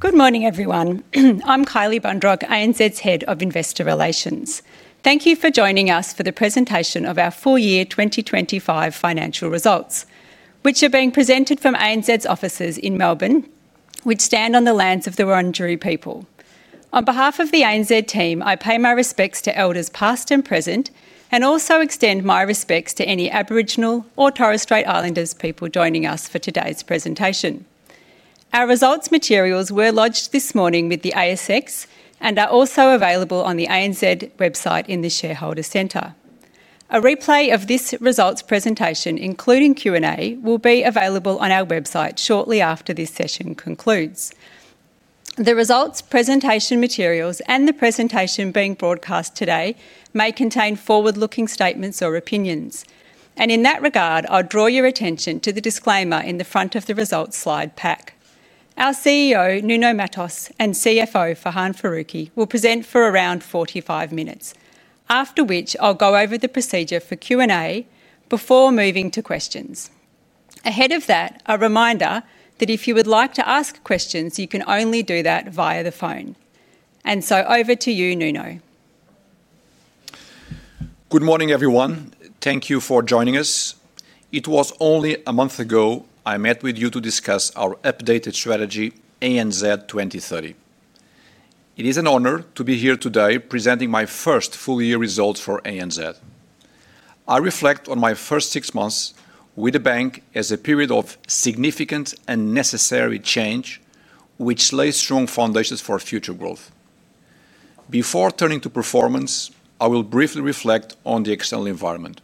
Good morning, everyone. I'm Kylie Bundrock, ANZ's Head of Investor Relations. Thank you for joining us for the presentation of our full-year 2025 financial results, which are being presented from ANZ's offices in Melbourne, which stand on the lands of the Wurundjeri people. On behalf of the ANZ team, I pay my respects to Elders past and present, and also extend my respects to any Aboriginal or Torres Strait Islander people joining us for today's presentation. Our results materials were lodged this morning with the ASX and are also available on the ANZ website in the Shareholder Centre. A replay of this results presentation, including Q&A, will be available on our website shortly after this session concludes. The results presentation materials and the presentation being broadcast today may contain forward-looking statements or opinions, and in that regard, I'll draw your attention to the disclaimer in the front of the results slide pack. Our CEO, Nuno Matos, and CFO, Farhan Faruqui, will present for around 45 minutes, after which I'll go over the procedure for Q&A before moving to questions. Ahead of that, a reminder that if you would like to ask questions, you can only do that via the phone. Over to you, Nuno. Good morning, everyone. Thank you for joining us. It was only a month ago I met with you to discuss our updated strategy, ANZ 2030. It is an honor to be here today presenting my first full-year results for ANZ. I reflect on my first six months with the bank as a period of significant and necessary change, which lays strong foundations for future growth. Before turning to performance, I will briefly reflect on the external environment.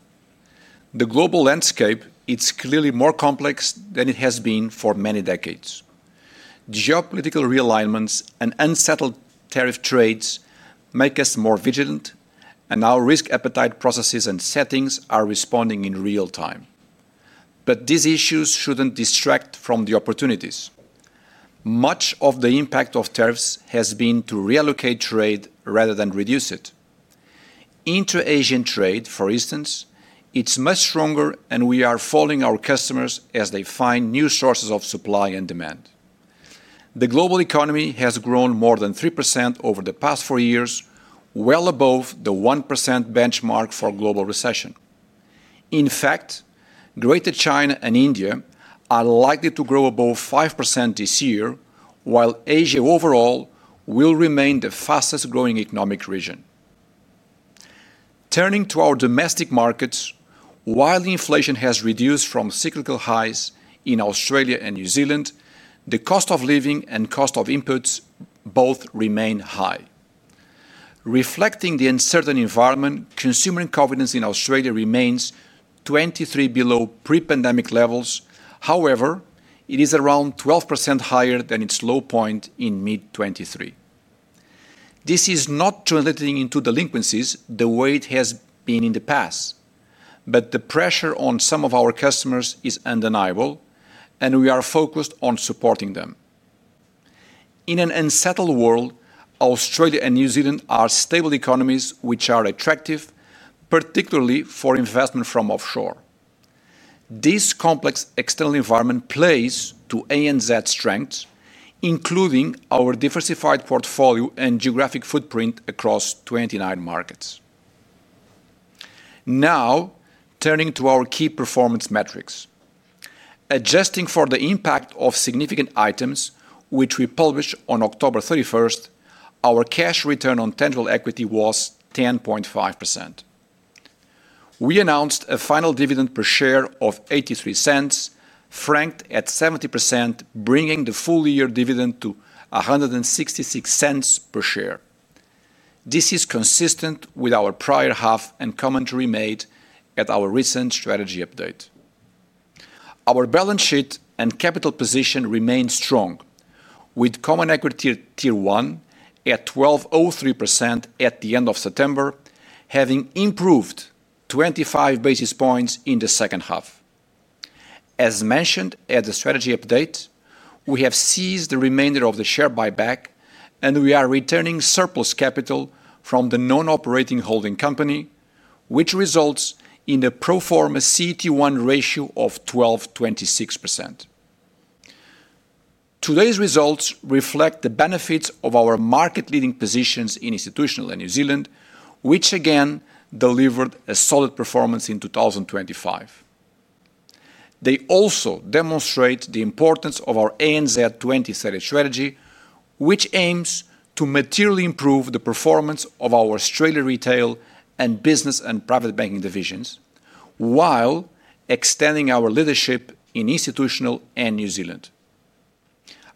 The global landscape is clearly more complex than it has been for many decades. Geopolitical realignments and unsettled tariff trades make us more vigilant, and our risk appetite processes and settings are responding in real time. These issues should not distract from the opportunities. Much of the impact of tariffs has been to reallocate trade rather than reduce it. Into Asian trade, for instance, it's much stronger, and we are following our customers as they find new sources of supply and demand. The global economy has grown more than 3% over the past four years, well above the 1% benchmark for global recession. In fact, Greater China and India are likely to grow above 5% this year, while Asia overall will remain the fastest-growing economic region. Turning to our domestic markets, while inflation has reduced from cyclical highs in Australia and New Zealand, the cost of living and cost of inputs both remain high. Reflecting the uncertain environment, consumer confidence in Australia remains 23% below pre-pandemic levels, however, it is around 12% higher than its low point in mid-2023. This is not translating into delinquencies the way it has been in the past, but the pressure on some of our customers is undeniable, and we are focused on supporting them. In an unsettled world, Australia and New Zealand are stable economies which are attractive, particularly for investment from offshore. This complex external environment plays to ANZ's strengths, including our diversified portfolio and geographic footprint across 29 markets. Now, turning to our key performance metrics. Adjusting for the impact of significant items, which we published on October 31st, our cash return on tangible equity was 10.5%. We announced a final dividend per share of 0.83, franked at 70%, bringing the full-year dividend to 1.66 per share. This is consistent with our prior half and commentary made at our recent strategy update. Our balance sheet and capital position remain strong, with Common Equity Tier 1 at 12.03% at the end of September, having improved 25 basis points in the second half. As mentioned at the strategy update, we have seized the remainder of the share buyback, and we are returning surplus capital from the non-operating holding company, which results in a pro forma CET1 ratio of 12.26%. Today's results reflect the benefits of our market-leading positions in institutional and New Zealand, which again delivered a solid performance in 2025. They also demonstrate the importance of our ANZ 2030 strategy, which aims to materially improve the performance of our Australia retail and business and private banking divisions, while extending our leadership in institutional and New Zealand.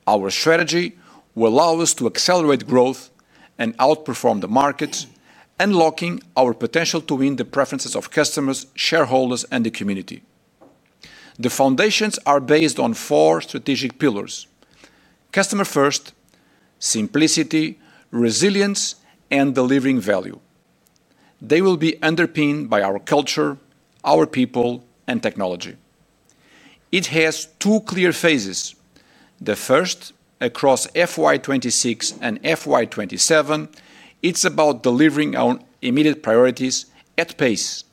Our strategy will allow us to accelerate growth and outperform the markets, unlocking our potential to win the preferences of customers, shareholders, and the community. The foundations are based on four strategic pillars: customer-first, simplicity, resilience, and delivering value. They will be underpinned by our culture, our people, and technology. It has two clear phases. The first, across FY 2026 and FY 2027, it's about delivering on immediate priorities at pace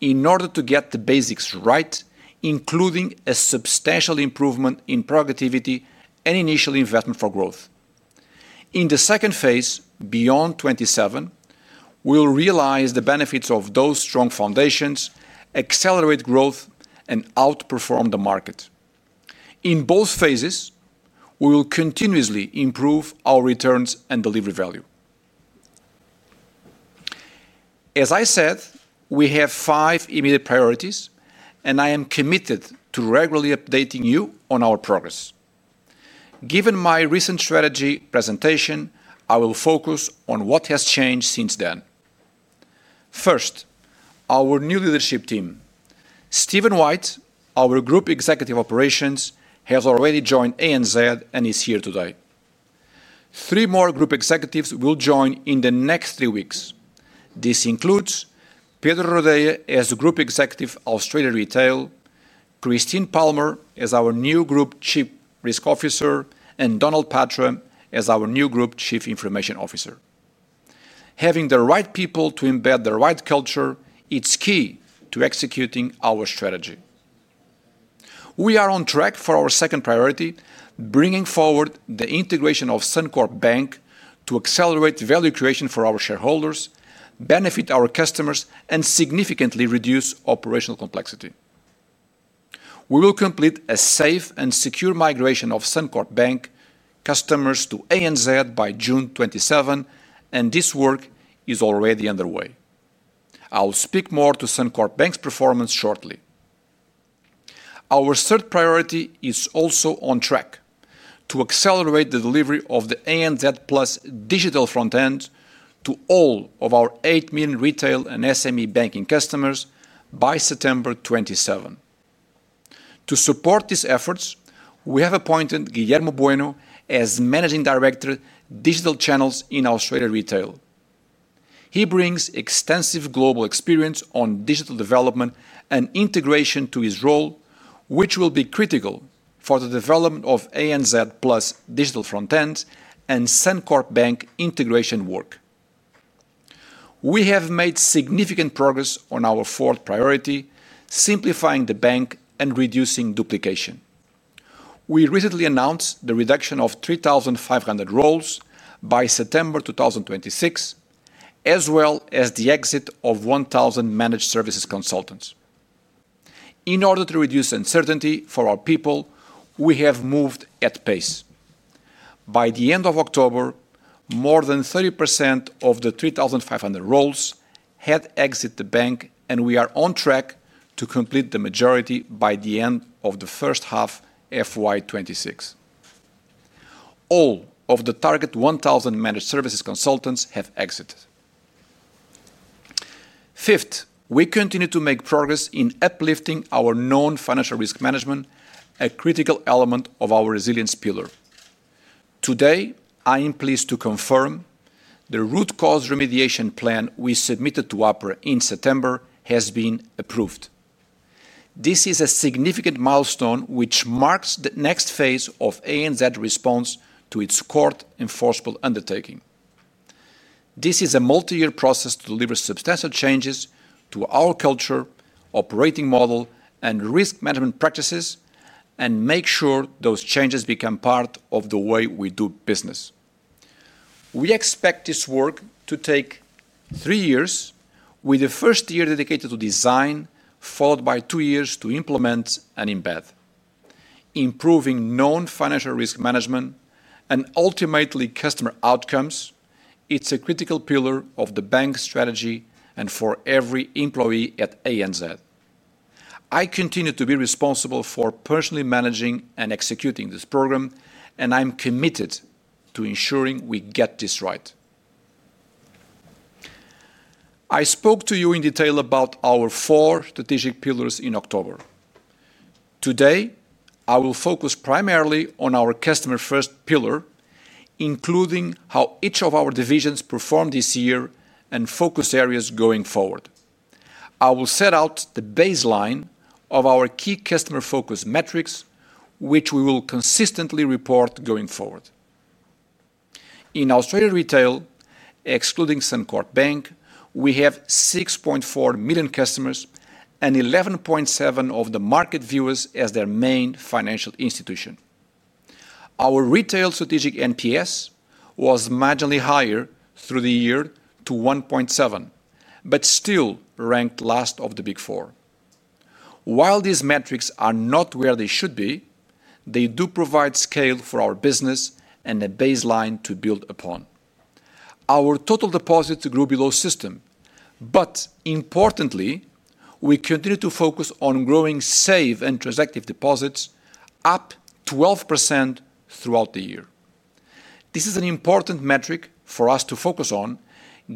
in order to get the basics right, including a substantial improvement in productivity and initial investment for growth. In the second phase, beyond 2027, we'll realise the benefits of those strong foundations, accelerate growth, and outperform the market. In both phases, we will continuously improve our returns and delivery value. As I said, we have five immediate priorities, and I am committed to regularly updating you on our progress. Given my recent strategy presentation, I will focus on what has changed since then. First, our new leadership team. Stephen White, our Group Executive Operations, has already joined ANZ and is here today. Three more Group Executives will join in the next three weeks. This includes Pedro Rodeia as Group Executive Australia Retail, Christine Palmer as our new Group Chief Risk Officer, and Donald Patra as our new Group Chief Information Officer. Having the right people to embed the right culture, it's key to executing our strategy. We are on track for our second priority, bringing forward the integration of Suncorp Bank to accelerate value creation for our shareholders, benefit our customers, and significantly reduce operational complexity. We will complete a safe and secure migration of Suncorp Bank customers to ANZ by June 2027, and this work is already underway. I'll speak more to Suncorp Bank's performance shortly. Our third priority is also on track to accelerate the delivery of the ANZ Plus digital front end to all of our 8 million retail and SME banking customers by September 2027. To support these efforts, we have appointed Guillermo Bueno as Managing Director Digital Channels in Australia Retail. He brings extensive global experience on digital development and integration to his role, which will be critical for the development of ANZ Plus digital front end and Suncorp Bank integration work. We have made significant progress on our fourth priority, simplifying the bank and reducing duplication. We recently announced the reduction of 3,500 roles by September 2026, as well as the exit of 1,000 managed services consultants. In order to reduce uncertainty for our people, we have moved at pace. By the end of October, more than 30% of the 3,500 roles had exited the bank, and we are on track to complete the majority by the end of the first half of FY 2026. All of the target 1,000 managed services consultants have exited. Fifth, we continue to make progress in uplifting our known financial risk management, a critical element of our resilience pillar. Today, I am pleased to confirm the root cause remediation plan we submitted to APRA in September has been approved. This is a significant milestone which marks the next phase of ANZ's response to its court-enforceable undertaking. This is a multi-year process to deliver substantial changes to our culture, operating model, and risk management practices, and make sure those changes become part of the way we do business. We expect this work to take three years, with the first year dedicated to design, followed by two years to implement and embed. Improving known financial risk management and ultimately customer outcomes, it's a critical pillar of the bank's strategy and for every employee at ANZ. I continue to be responsible for personally managing and executing this program, and I'm committed to ensuring we get this right. I spoke to you in detail about our four strategic pillars in October. Today, I will focus primarily on our customer-first pillar, including how each of our divisions performed this year and focus areas going forward. I will set out the baseline of our key customer-focused metrics, which we will consistently report going forward. In Australia Retail, excluding Suncorp Bank, we have 6.4 million customers and 11.7% of the market view us as their main financial institution. Our retail strategic NPS was marginally higher through the year to 1.7, but still ranked last of the Big Four. While these metrics are not where they should be, they do provide scale for our business and a baseline to build upon. Our total deposits grew below system, but importantly, we continue to focus on growing safe and transactive deposits up 12% throughout the year. This is an important metric for us to focus on,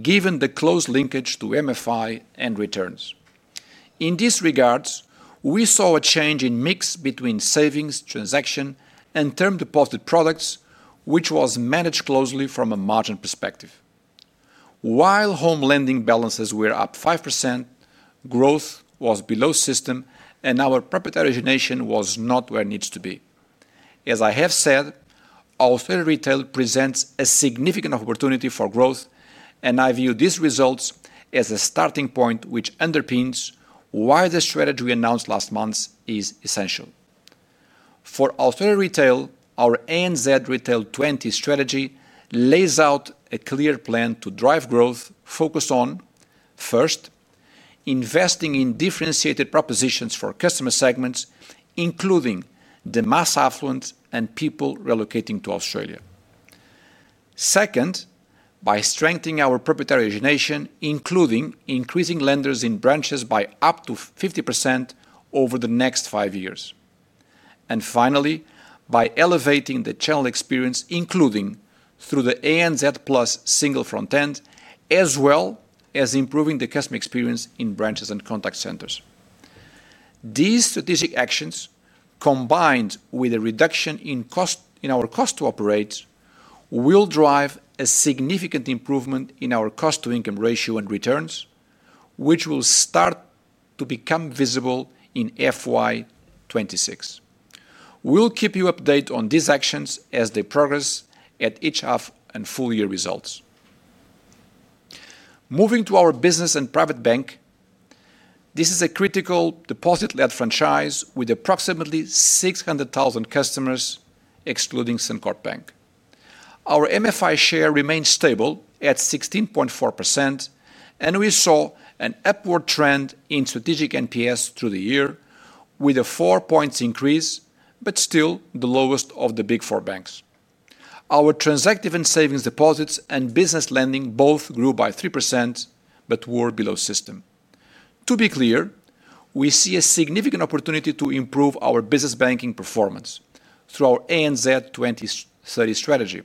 given the close linkage to MFI and returns. In these regards, we saw a change in mix between savings, transaction, and term deposit products, which was managed closely from a margin perspective. While home lending balances were up 5%, growth was below system, and our profit origination was not where it needs to be. As I have said, Australia Retail presents a significant opportunity for growth, and I view these results as a starting point which underpins why the strategy we announced last month is essential. For Australia Retail, our ANZ Retail 20 strategy lays out a clear plan to drive growth focused on, first, investing in differentiated propositions for customer segments, including the mass affluent and people relocating to Australia. Second, by strengthening our [proprietary origination], including increasing lenders in branches by up to 50% over the next five years. Finally, by elevating the channel experience, including through the ANZ Plus single front end, as well as improving the customer experience in branches and contact centers. These strategic actions, combined with a reduction in our cost to operate, will drive a significant improvement in our cost-to-income ratio and returns, which will start to become visible in FY 2026. We'll keep you updated on these actions as they progress at each half and full-year results. Moving to our business and private bank, this is a critical deposit-led franchise with approximately 600,000 customers, excluding Suncorp Bank. Our MFI share remains stable at 16.4%, and we saw an upward trend in strategic NPS through the year, with a four-points increase, but still the lowest of the Big Four banks. Our transactive and savings deposits and business lending both grew by 3%, but were below system. To be clear, we see a significant opportunity to improve our business banking performance through our ANZ 2030 strategy.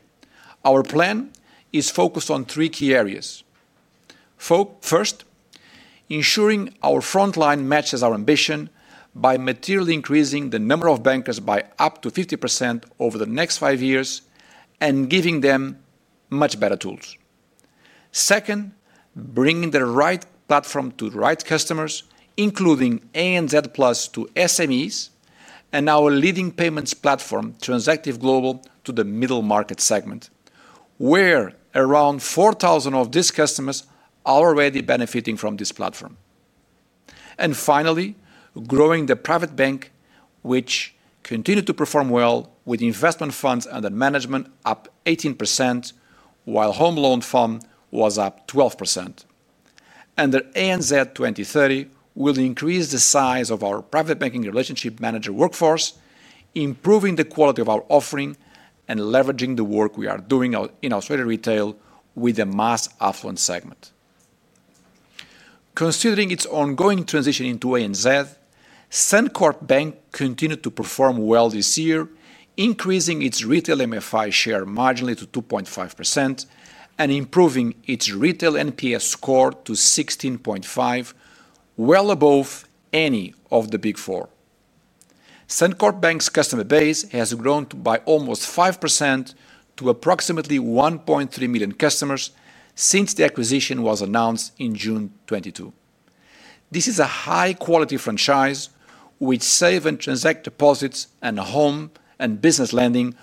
Our plan is focused on three key areas. First, ensuring our front line matches our ambition by materially increasing the number of bankers by up to 50% over the next five years and giving them much better tools. Second, bringing the right platform to the right customers, including ANZ Plus to SMEs and our leading payments platform, Transactive Global, to the middle market segment, where around 4,000 of these customers are already benefiting from this platform. Finally, growing the private bank, which continued to perform well with investment funds under management up 18%, while Home Loan Fund was up 12%. Under ANZ 2030, we'll increase the size of our private banking relationship manager workforce, improving the quality of our offering and leveraging the work we are doing in Australia Retail with the mass affluent segment. Considering its ongoing transition into ANZ, Suncorp Bank continued to perform well this year, increasing its retail MFI share marginally to 2.5% and improving its retail NPS score to 16.5, well above any of the Big Four. Suncorp Bank's customer base has grown by almost 5% to approximately 1.3 million customers since the acquisition was announced in June 2022. This is a high-quality franchise with safe and transactive deposits and home and business lending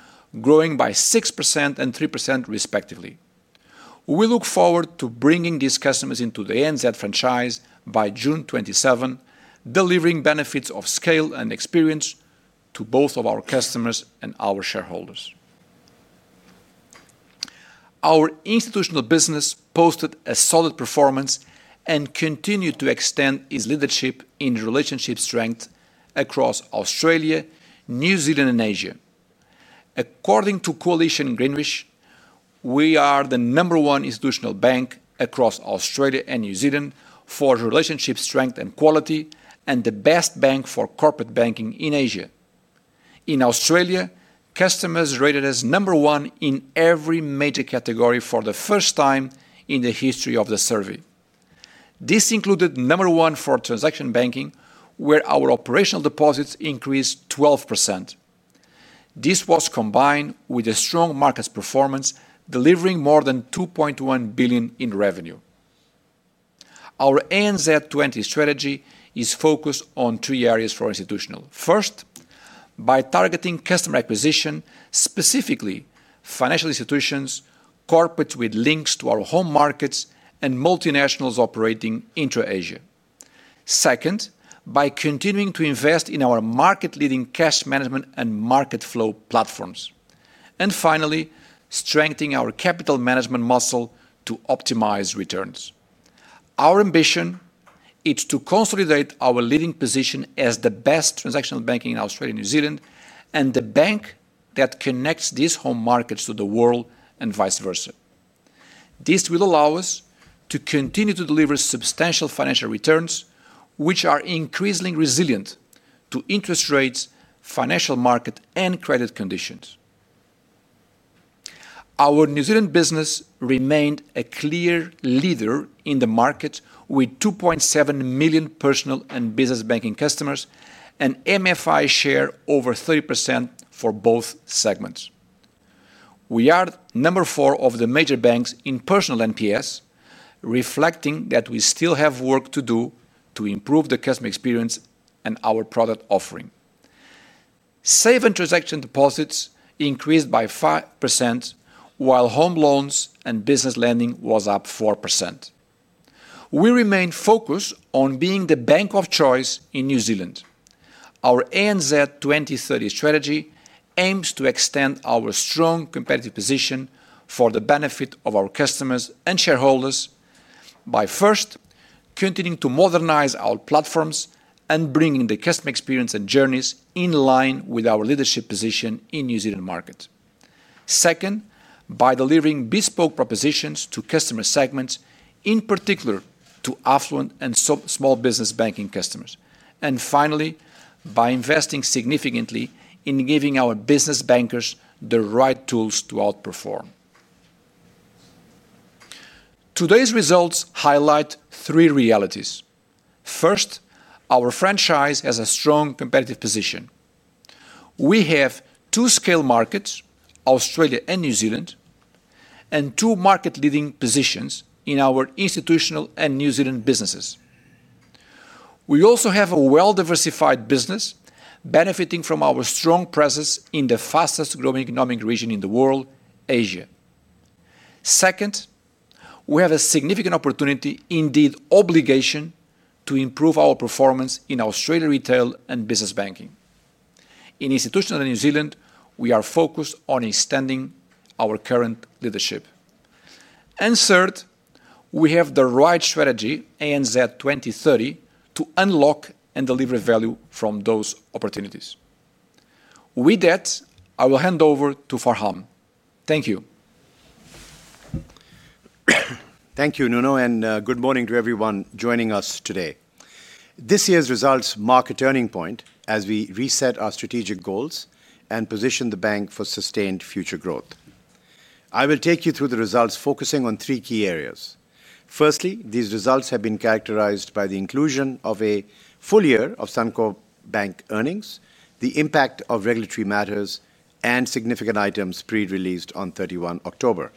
growing by 6% and 3%, respectively. We look forward to bringing these customers into the ANZ franchise by June 2027, delivering benefits of scale and experience to both of our customers and our shareholders. Our institutional business posted a solid performance and continued to extend its leadership in relationship strength across Australia, New Zealand, and Asia. According to Coalition Greenwich, we are the number one institutional bank across Australia and New Zealand for relationship strength and quality, and the best bank for corporate banking in Asia. In Australia, customers rated us number one in every major category for the first time in the history of the survey. This included number one for transaction banking, where our operational deposits increased 12%. This was combined with a strong market performance, delivering more than 2.1 billion in revenue. Our ANZ 2030 strategy is focused on three areas for institutional. First, by targeting customer acquisition, specifically financial institutions, corporates with links to our home markets, and multinationals operating into Asia. Second, by continuing to invest in our market-leading cash management and market flow platforms. Finally, strengthening our capital management muscle to optimize returns. Our ambition is to consolidate our leading position as the best transactional banking in Australia and New Zealand, and the bank that connects these home markets to the world and vice versa. This will allow us to continue to deliver substantial financial returns, which are increasingly resilient to interest rates, financial market, and credit conditions. Our New Zealand business remained a clear leader in the market with 2.7 million personal and business banking customers and MFI share over 30% for both segments. We are number four of the major banks in personal NPS, reflecting that we still have work to do to improve the customer experience and our product offering. Save and transaction deposits increased by 5%, while home loans and business lending was up 4%. We remain focused on being the bank of choice in New Zealand. Our ANZ 2030 strategy aims to extend our strong competitive position for the benefit of our customers and shareholders by first continuing to modernize our platforms and bringing the customer experience and journeys in line with our leadership position in the New Zealand market. Second, by delivering bespoke propositions to customer segments, in particular to affluent and small business banking customers. Finally, by investing significantly in giving our business bankers the right tools to outperform. Today's results highlight three realities. First, our franchise has a strong competitive position. We have two scale markets, Australia and New Zealand, and two market-leading positions in our institutional and New Zealand businesses. We also have a well-diversified business benefiting from our strong presence in the fastest-growing economic region in the world, Asia. Second, we have a significant opportunity, indeed obligation, to improve our performance in Australia Retail and business banking. In institutional and New Zealand, we are focused on extending our current leadership. Third, we have the right strategy, ANZ 2030, to unlock and deliver value from those opportunities. With that, I will hand over to Farhan. Thank you. Thank you, Nuno, and good morning to everyone joining us today. This year's results mark a turning point as we reset our strategic goals and position the bank for sustained future growth. I will take you through the results, focusing on three key areas. Firstly, these results have been characterized by the inclusion of a full year of Suncorp Bank earnings, the impact of regulatory matters, and significant items pre-released on 31 October.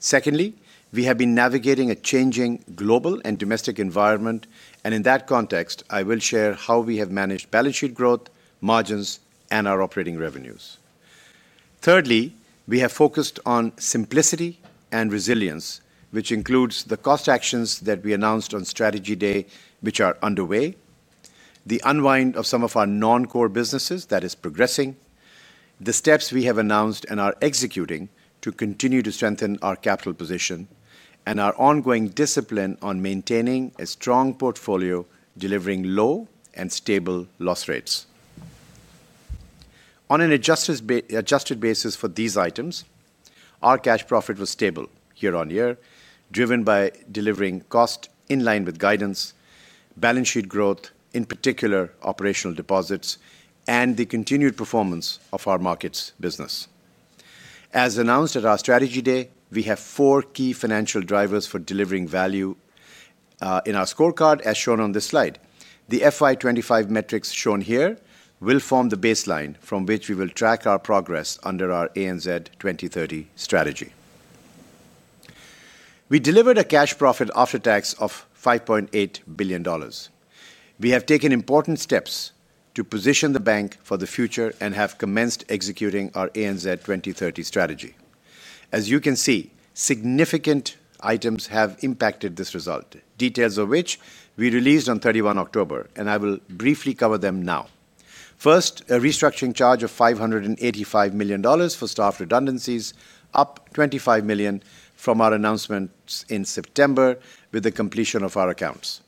Secondly, we have been navigating a changing global and domestic environment, and in that context, I will share how we have managed balance sheet growth, margins, and our operating revenues. Thirdly, we have focused on simplicity and resilience, which includes the cost actions that we announced on Strategy Day, which are underway, the unwind of some of our non-core businesses that is progressing, the steps we have announced and are executing to continue to strengthen our capital position, and our ongoing discipline on maintaining a strong portfolio, delivering low and stable loss rates. On an adjusted basis for these items, our cash profit was stable year on year, driven by delivering cost in line with guidance, balance sheet growth, in particular operational deposits, and the continued performance of our markets business. As announced at our Strategy Day, we have four key financial drivers for delivering value in our scorecard, as shown on this slide. The FY 2025 metrics shown here will form the baseline from which we will track our progress under our ANZ 2030 strategy. We delivered a cash profit after tax of 5.8 billion dollars. We have taken important steps to position the bank for the future and have commenced executing our ANZ 2030 strategy. As you can see, significant items have impacted this result, details of which we released on 31 October, and I will briefly cover them now. First, a restructuring charge of 585 million dollars for staff redundancies, up 25 million from our announcements in September with the completion of our accounts.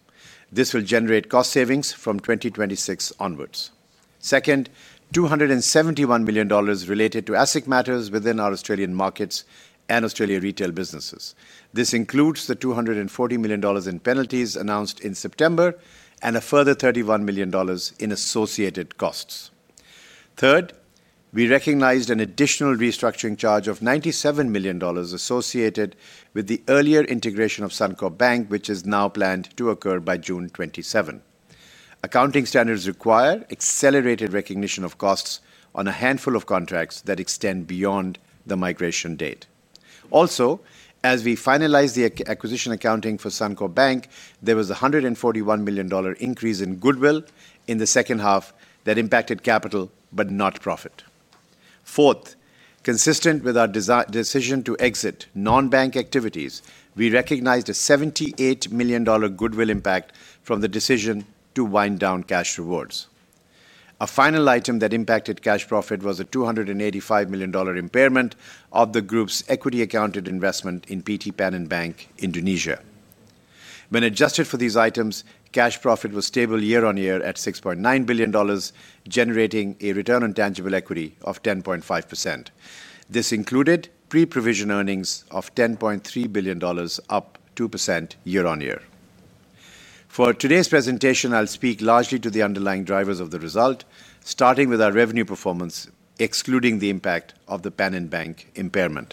This will generate cost savings from 2026 onwards. Second, 271 million dollars related to ASIC matters within our Australian markets and Australia Retail businesses. This includes the 240 million dollars in penalties announced in September and a further 31 million dollars in associated costs. Third, we recognized an additional restructuring charge of 97 million dollars associated with the earlier integration of Suncorp Bank, which is now planned to occur by June 2027. Accounting standards require accelerated recognition of costs on a handful of contracts that extend beyond the migration date. Also, as we finalized the acquisition accounting for Suncorp Bank, there was a 141 million dollar increase in goodwill in the second half that impacted capital but not profit. Fourth, consistent with our decision to exit non-bank activities, we recognized a 78 million dollar goodwill impact from the decision to wind down Cashrewards. A final item that impacted cash profit was a 285 million dollar impairment of the group's equity-accounted investment in PT Panin Bank, Indonesia. When adjusted for these items, cash profit was stable year on year at 6.9 billion dollars, generating a return on tangible equity of 10.5%. This included pre-provision earnings of 10.3 billion dollars, up 2% year on year. For today's presentation, I'll speak largely to the underlying drivers of the result, starting with our revenue performance, excluding the impact of the Panin Bank impairment.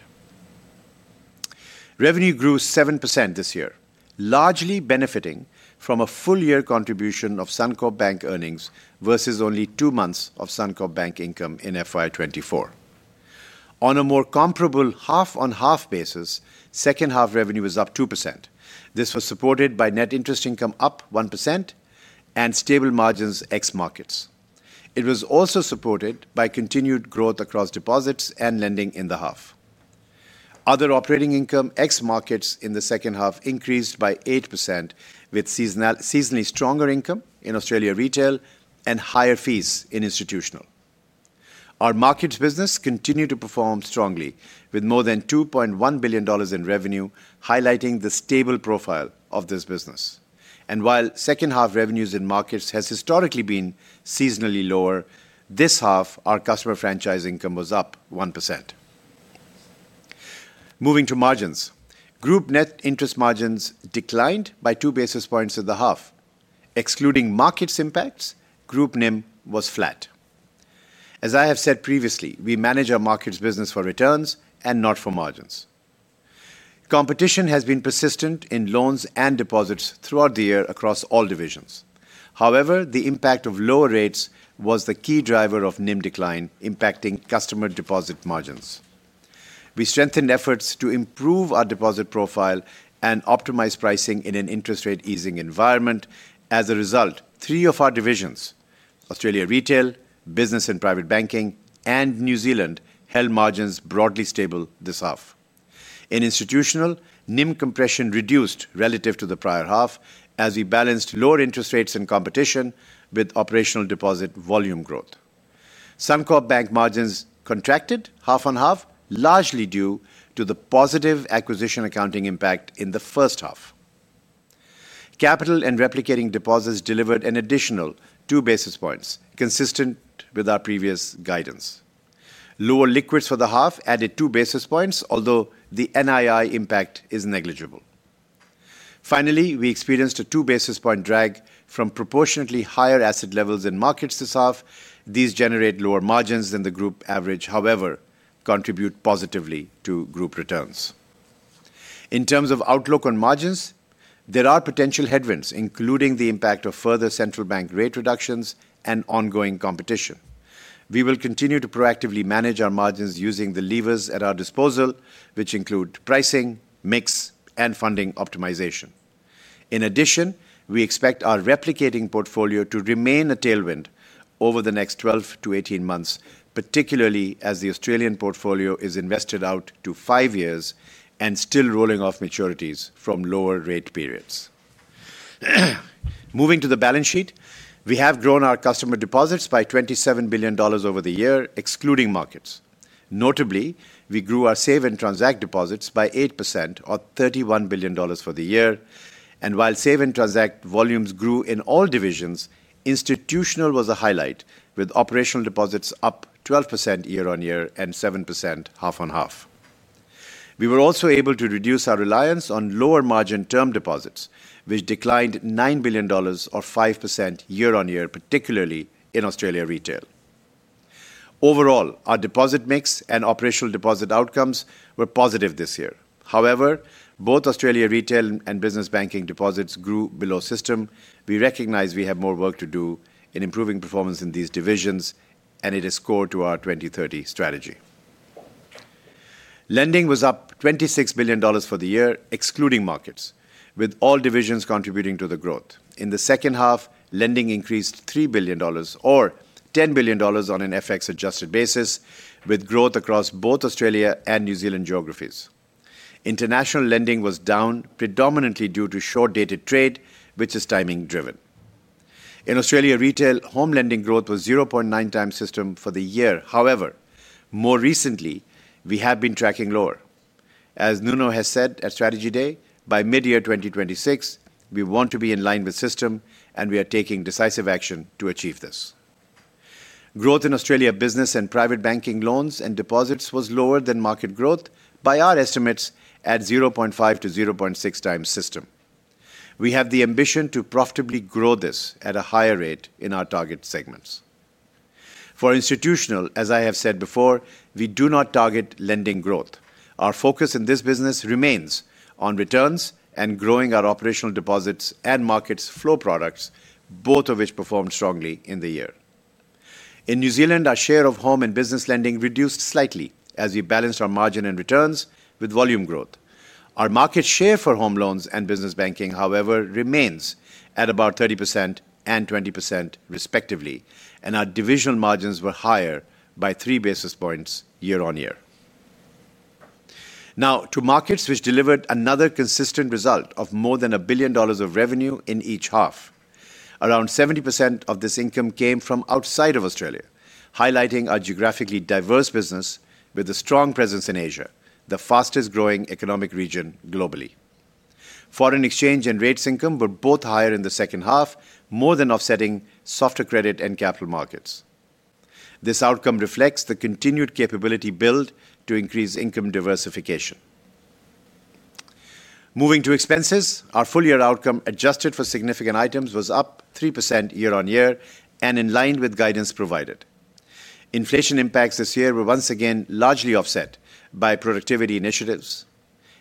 Revenue grew 7% this year, largely benefiting from a full-year contribution of Suncorp Bank earnings versus only two months of Suncorp Bank income in FY 2024. On a more comparable 50/50 basis, second half revenue was up 2%. This was supported by net interest income up 1% and stable margins ex-markets. It was also supported by continued growth across deposits and lending in the half. Other operating income ex-markets in the second half increased by 8%, with seasonally stronger income in Australia Retail and higher fees in institutional. Our markets business continued to perform strongly, with more than 2.1 billion dollars in revenue, highlighting the stable profile of this business. While second half revenues in markets have historically been seasonally lower, this half, our customer franchise income was up 1%. Moving to margins, group net interest margins declined by two basis points of the half. Excluding markets impacts, group NIM was flat. As I have said previously, we manage our markets business for returns and not for margins. Competition has been persistent in loans and deposits throughout the year across all divisions. However, the impact of lower rates was the key driver of NIM decline, impacting customer deposit margins. We strengthened efforts to improve our deposit profile and optimize pricing in an interest rate-easing environment. As a result, three of our divisions, Australia Retail, business and private banking, and New Zealand, held margins broadly stable this half. In institutional, NIM compression reduced relative to the prior half as we balanced lower interest rates and competition with operational deposit volume growth. Suncorp Bank margins contracted 50/50, largely due to the positive acquisition accounting impact in the first half. Capital and replicating deposits delivered an additional two basis points, consistent with our previous guidance. Lower liquids for the half added two basis points, although the NII impact is negligible. Finally, we experienced a two-basis-point drag from proportionately higher asset levels in markets this half. These generate lower margins than the group average, however, contribute positively to group returns. In terms of outlook on margins, there are potential headwinds, including the impact of further central bank rate reductions and ongoing competition. We will continue to proactively manage our margins using the levers at our disposal, which include pricing, mix, and funding optimization. In addition, we expect our replicating portfolio to remain a tailwind over the next 12-18 months, particularly as the Australian portfolio is invested out to five years and still rolling off maturities from lower rate periods. Moving to the balance sheet, we have grown our customer deposits by 27 billion dollars over the year, excluding markets. Notably, we grew our save and transact deposits by 8%, or 31 billion dollars for the year. While save and transact volumes grew in all divisions, institutional was a highlight, with operational deposits up 12% year on year and 7% 50/50. We were also able to reduce our reliance on lower margin term deposits, which declined 9 billion dollars, or 5% year on year, particularly in Australia Retail. Overall, our deposit mix and operational deposit outcomes were positive this year. However, both Australia Retail and business banking deposits grew below system. We recognize we have more work to do in improving performance in these divisions, and it is core to our 2030 strategy. Lending was up 26 billion dollars for the year, excluding markets, with all divisions contributing to the growth. In the second half, lending increased 3 billion dollars, or 10 billion dollars on an FX-adjusted basis, with growth across both Australia and New Zealand geographies. International lending was down predominantly due to short-dated trade, which is timing-driven. In Australia Retail, home lending growth was 0.9x system for the year. However, more recently, we have been tracking lower. As Nuno has said at Strategy Day, by mid-year 2026, we want to be in line with system, and we are taking decisive action to achieve this. Growth in Australia business and private banking loans and deposits was lower than market growth by our estimates at 0.5x-0.6x system. We have the ambition to profitably grow this at a higher rate in our target segments. For institutional, as I have said before, we do not target lending growth. Our focus in this business remains on returns and growing our operational deposits and markets flow products, both of which performed strongly in the year. In New Zealand, our share of home and business lending reduced slightly as we balanced our margin and returns with volume growth. Our market share for home loans and business banking, however, remains at about 30% and 20%, respectively, and our divisional margins were higher by three basis points year on year. Now, to markets which delivered another consistent result of more than 1 billion dollars of revenue in each half. Around 70% of this income came from outside of Australia, highlighting our geographically diverse business with a strong presence in Asia, the fastest-growing economic region globally. Foreign exchange and rates income were both higher in the second half, more than offsetting softer credit and capital markets. This outcome reflects the continued capability build to increase income diversification. Moving to expenses, our full-year outcome adjusted for significant items was up 3% year on year and in line with guidance provided. Inflation impacts this year were once again largely offset by productivity initiatives.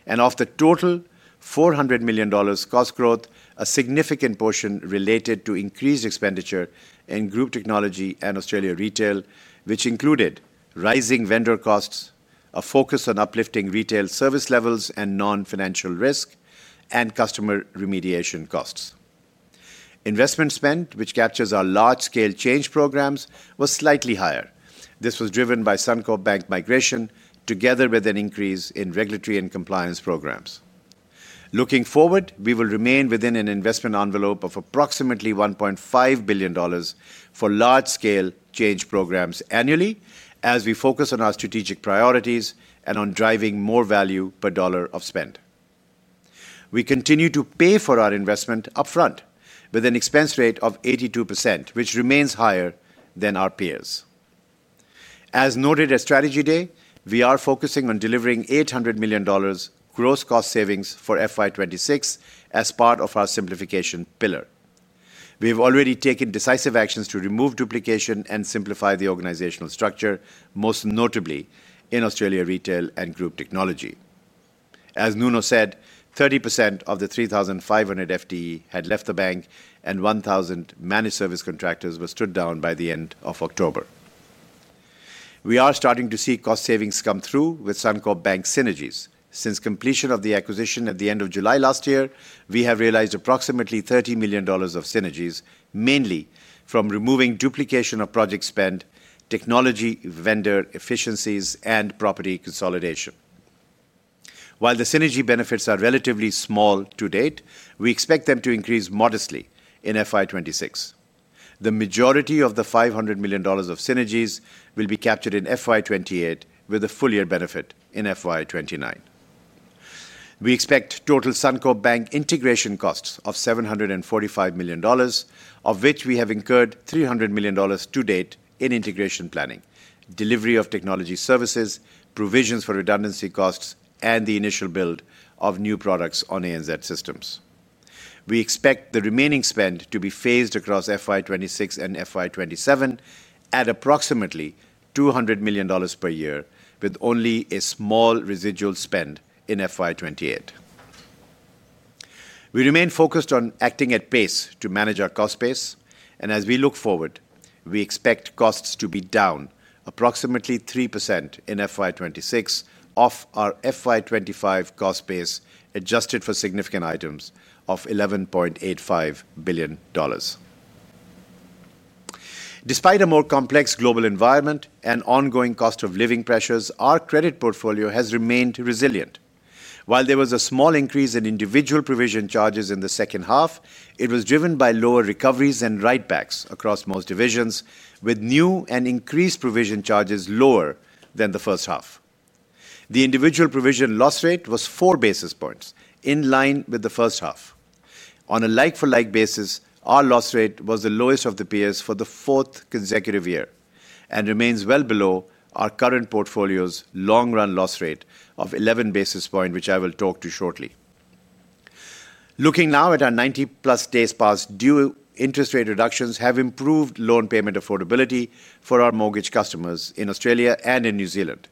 Of the total 400 million dollars cost growth, a significant portion related to increased expenditure in group technology and Australia Retail, which included rising vendor costs, a focus on uplifting retail service levels and non-financial risk, and customer remediation costs. Investment spend, which captures our large-scale change programs, was slightly higher. This was driven by Suncorp Bank migration, together with an increase in regulatory and compliance programs. Looking forward, we will remain within an investment envelope of approximately 1.5 billion dollars for large-scale change programs annually as we focus on our strategic priorities and on driving more value per dollar of spend. We continue to pay for our investment upfront with an expense rate of 82%, which remains higher than our peers. As noted at Strategy Day, we are focusing on delivering 800 million dollars gross cost savings for FY 2026 as part of our simplification pillar. We have already taken decisive actions to remove duplication and simplify the organizational structure, most notably in Australia Retail and group technology. As Nuno said, 30% of the 3,500 FTE had left the bank, and 1,000 managed service contractors were stood down by the end of October. We are starting to see cost savings come through with Suncorp Bank synergies. Since completion of the acquisition at the end of July last year, we have realized approximately 30 million dollars of synergies, mainly from removing duplication of project spend, technology vendor efficiencies, and property consolidation. While the synergy benefits are relatively small to date, we expect them to increase modestly in FY 2026. The majority of the 500 million dollars of synergies will be captured in FY 2028, with a full-year benefit in FY 2029. We expect total Suncorp Bank integration costs of 745 million dollars, of which we have incurred 300 million dollars to date in integration planning, delivery of technology services, provisions for redundancy costs, and the initial build of new products on ANZ systems. We expect the remaining spend to be phased across FY 2026 and FY 2027 at approximately 200 million dollars per year, with only a small residual spend in FY 2028. We remain focused on acting at pace to manage our cost base. As we look forward, we expect costs to be down approximately 3% in FY 2026 off our FY 2025 cost base, adjusted for significant items of 11.85 billion dollars. Despite a more complex global environment and ongoing cost of living pressures, our credit portfolio has remained resilient. While there was a small increase in individual provision charges in the second half, it was driven by lower recoveries and write-backs across most divisions, with new and increased provision charges lower than the first half. The individual provision loss rate was 4 basis points in line with the first half. On a like-for-like basis, our loss rate was the lowest of the peers for the fourth consecutive year and remains well below our current portfolio's long-run loss rate of 11 basis points, which I will talk to shortly. Looking now at our 90+ days past due, interest rate reductions have improved loan payment affordability for our mortgage customers in Australia and in New Zealand.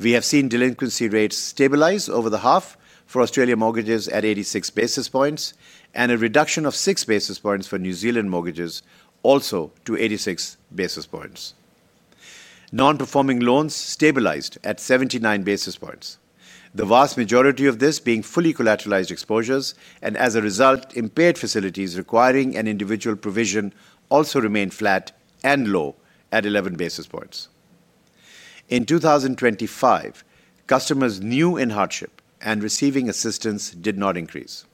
We have seen delinquency rates stabilize over the half for Australia mortgages at 86 basis points and a reduction of 6 basis points for New Zealand mortgages, also to 86 basis points. Non-performing loans stabilized at 79 basis points, the vast majority of this being fully collateralized exposures and, as a result, impaired facilities requiring an individual provision also remained flat and low at 11 basis points. In 2025, customers new in hardship and receiving assistance did not increase.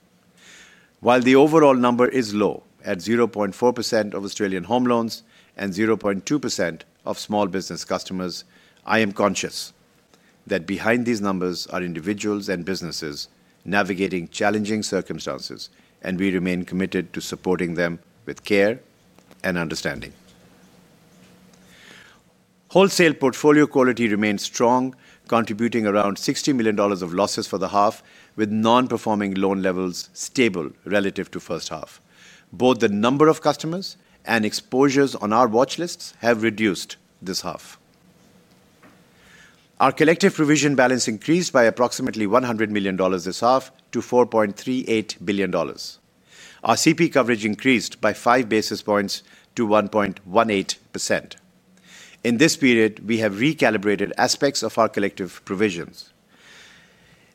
While the overall number is low at 0.4% of Australian home loans and 0.2% of small business customers, I am conscious that behind these numbers are individuals and businesses navigating challenging circumstances, and we remain committed to supporting them with care and understanding. Wholesale portfolio quality remains strong, contributing around 60 million dollars of losses for the half, with non-performing loan levels stable relative to first half. Both the number of customers and exposures on our watch lists have reduced this half. Our collective provision balance increased by approximately 100 million dollars this half to 4.38 billion dollars. Our CP coverage increased by five basis points to 1.18%. In this period, we have recalibrated aspects of our collective provisions.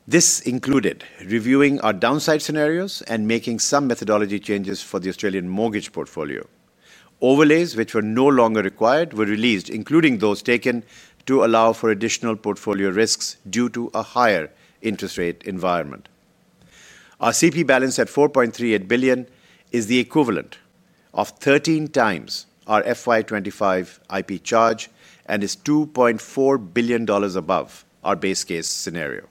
This included reviewing our downside scenarios and making some methodology changes for the Australian mortgage portfolio. Overlays which were no longer required were released, including those taken to allow for additional portfolio risks due to a higher interest rate environment. Our CP balance at 4.38 billion is the equivalent of 13x our FY 2025 IP charge and is 2.4 billion dollars above our base case scenario.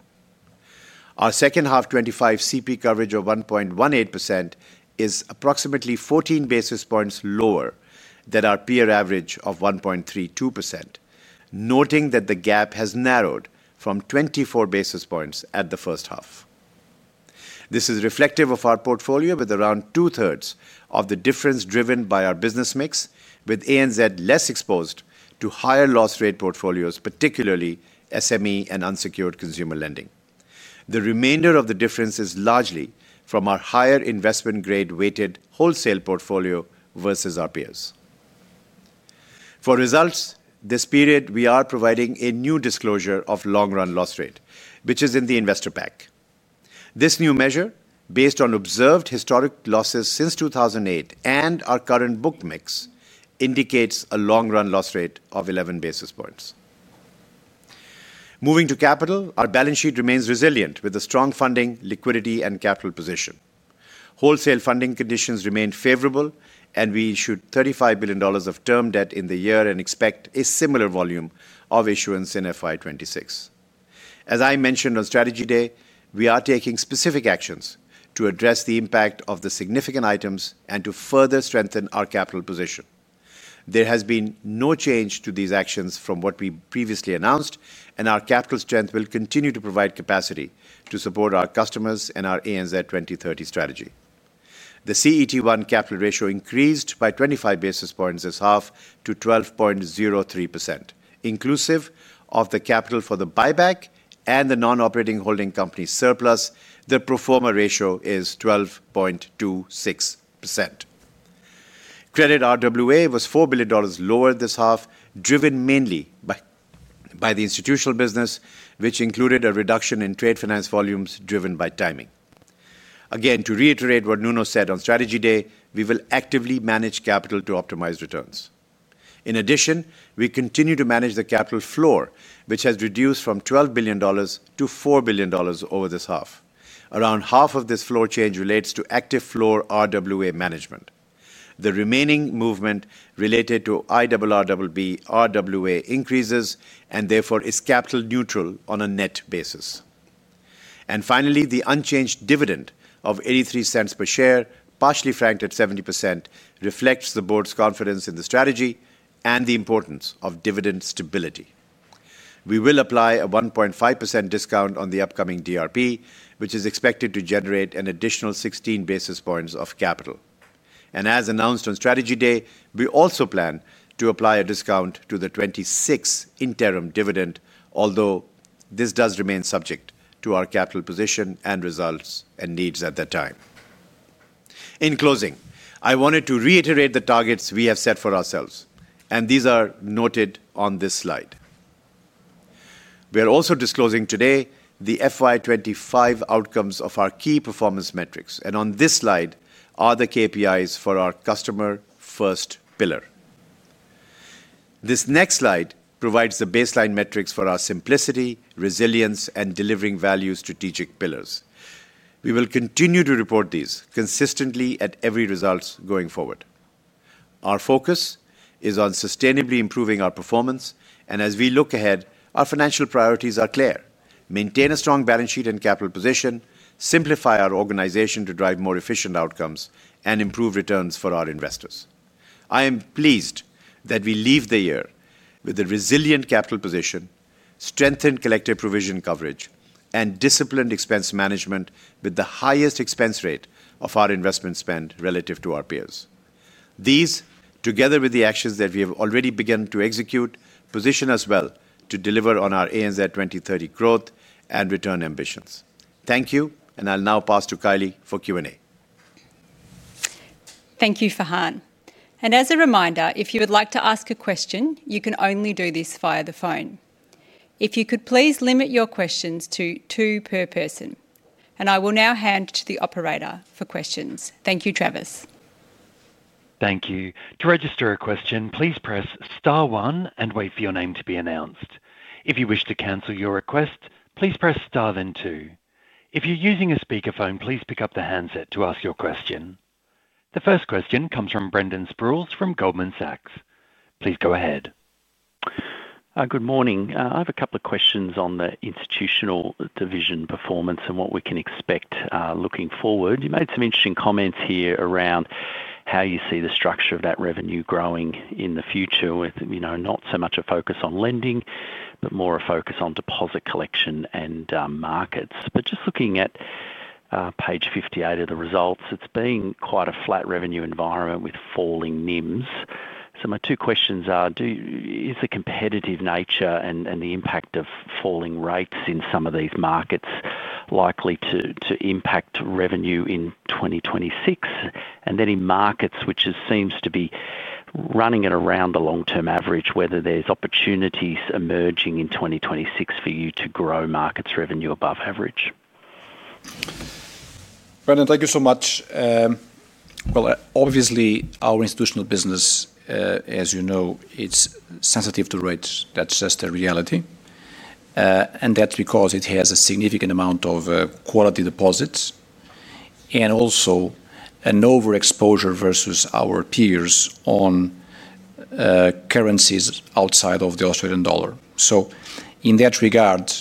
Our second half 2025 CP coverage of 1.18% is approximately 14 basis points lower than our peer average of 1.32%, noting that the gap has narrowed from 24 basis points at the first half. This is reflective of our portfolio with around two-thirds of the difference driven by our business mix, with ANZ less exposed to higher loss rate portfolios, particularly SME and unsecured consumer lending. The remainder of the difference is largely from our higher investment-grade weighted wholesale portfolio versus our peers. For results, this period, we are providing a new disclosure of long-run loss rate, which is in the investor pack. This new measure, based on observed historic losses since 2008 and our current book mix, indicates a long-run loss rate of 11 basis points. Moving to capital, our balance sheet remains resilient with a strong funding, liquidity, and capital position. Wholesale funding conditions remain favorable, and we issued 35 billion dollars of term debt in the year and expect a similar volume of issuance in FY 2026. As I mentioned on Strategy Day, we are taking specific actions to address the impact of the significant items and to further strengthen our capital position. There has been no change to these actions from what we previously announced, and our capital strength will continue to provide capacity to support our customers and our ANZ 2030 strategy. The CET1 capital ratio increased by 25 basis points this half to 12.03%. Inclusive of the capital for the buyback and the non-operating holding company surplus, the pro forma ratio is 12.26%. Credit RWA was 4 billion dollars lower this half, driven mainly by the institutional business, which included a reduction in trade finance volumes driven by timing. Again, to reiterate what Nuno said on Strategy Day, we will actively manage capital to optimize returns. In addition, we continue to manage the capital floor, which has reduced from 12 billion dollars to 4 billion dollars over this half. Around half of this floor change relates to active floor RWA management. The remaining movement related to IRRBB RWA increases and therefore is capital neutral on a net basis. Finally, the unchanged dividend of 0.83 per share, partially franked at 70%, reflects the board's confidence in the strategy and the importance of dividend stability. We will apply a 1.5% discount on the upcoming DRP, which is expected to generate an additional 16 basis points of capital. As announced on Strategy Day, we also plan to apply a discount to the 2026 interim dividend, although this does remain subject to our capital position and results and needs at that time. In closing, I wanted to reiterate the targets we have set for ourselves, and these are noted on this slide. We are also disclosing today the FY 2025 outcomes of our key performance metrics, and on this slide are the KPIs for our customer first pillar. This next slide provides the baseline metrics for our simplicity, resilience, and delivering value strategic pillars. We will continue to report these consistently at every result going forward. Our focus is on sustainably improving our performance, and as we look ahead, our financial priorities are clear: maintain a strong balance sheet and capital position, simplify our organization to drive more efficient outcomes, and improve returns for our investors. I am pleased that we leave the year with a resilient capital position, strengthened collective provision coverage, and disciplined expense management with the highest expense rate of our investment spend relative to our peers. These, together with the actions that we have already begun to execute, position us well to deliver on our ANZ 2030 growth and return ambitions. Thank you, and I'll now pass to Kylie for Q&A. Thank you, Farhan. As a reminder, if you would like to ask a question, you can only do this via the phone. If you could please limit your questions to two per person. I will now hand to the operator for questions. Thank you, Travis. Thank you. To register a question, please press star one and wait for your name to be announced. If you wish to cancel your request, please press star then two. If you're using a speakerphone, please pick up the handset to ask your question. The first question comes from Brendan Sproules from Goldman Sachs. Please go ahead. Good morning. I have a couple of questions on the institutional division performance and what we can expect looking forward. You made some interesting comments here around how you see the structure of that revenue growing in the future with not so much a focus on lending, but more a focus on deposit collection and markets. Just looking at page 58 of the results, it's been quite a flat revenue environment with falling NIMs. My two questions are: is the competitive nature and the impact of falling rates in some of these markets likely to impact revenue in 2026? In markets, which seems to be running at around the long-term average, are there opportunities emerging in 2026 for you to grow markets revenue above average? Brendan, thank you so much. Obviously, our institutional business, as you know, is sensitive to rates. That's just a reality. That is because it has a significant amount of quality deposits and also an overexposure versus our peers on currencies outside of the Australian dollar. In that regard,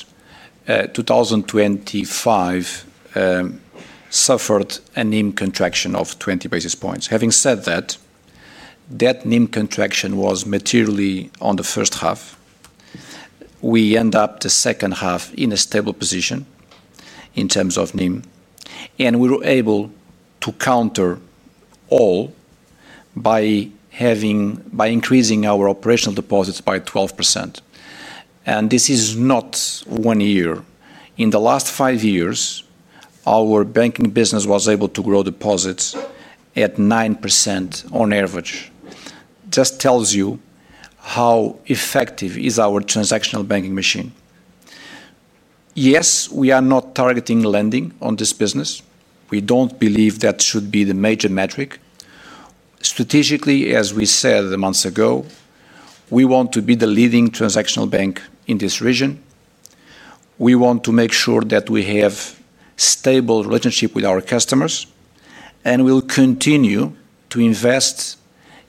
2025 suffered a NIM contraction of 20 basis points. Having said that, that NIM contraction was materially on the first half. We end up the second half in a stable position in terms of NIM, and we were able to counter all by increasing our operational deposits by 12%. This is not one year. In the last five years, our banking business was able to grow deposits at 9% on average. Just tells you how effective is our transactional banking machine. Yes, we are not targeting lending on this business. We do not believe that should be the major metric. Strategically, as we said months ago, we want to be the leading transactional bank in this region. We want to make sure that we have a stable relationship with our customers, and we will continue to invest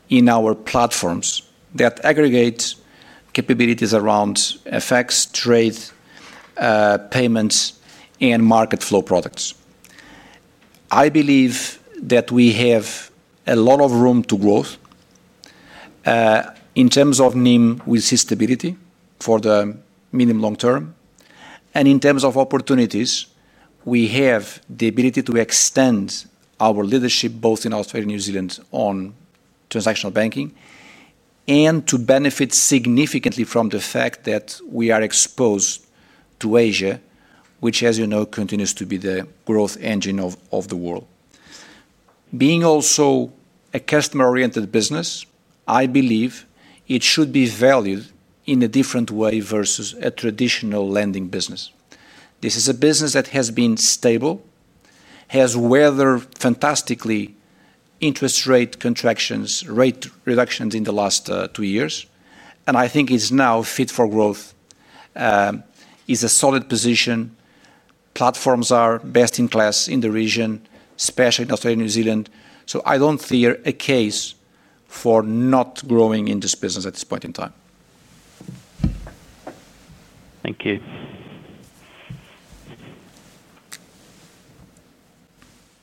in our platforms that aggregate capabilities around FX, trade, payments, and market flow products. I believe that we have a lot of room to grow in terms of NIM with stability for the medium-long term. In terms of opportunities, we have the ability to extend our leadership both in Australia and New Zealand on transactional banking and to benefit significantly from the fact that we are exposed to Asia, which, as you know, continues to be the growth engine of the world. Being also a customer-oriented business, I believe it should be valued in a different way versus a traditional lending business. This is a business that has been stable, has weathered fantastically interest rate contractions, rate reductions in the last two years, and I think it's now fit for growth. It's a solid position. Platforms are best in class in the region, especially in Australia and New Zealand. I don't fear a case for not growing in this business at this point in time. Thank you.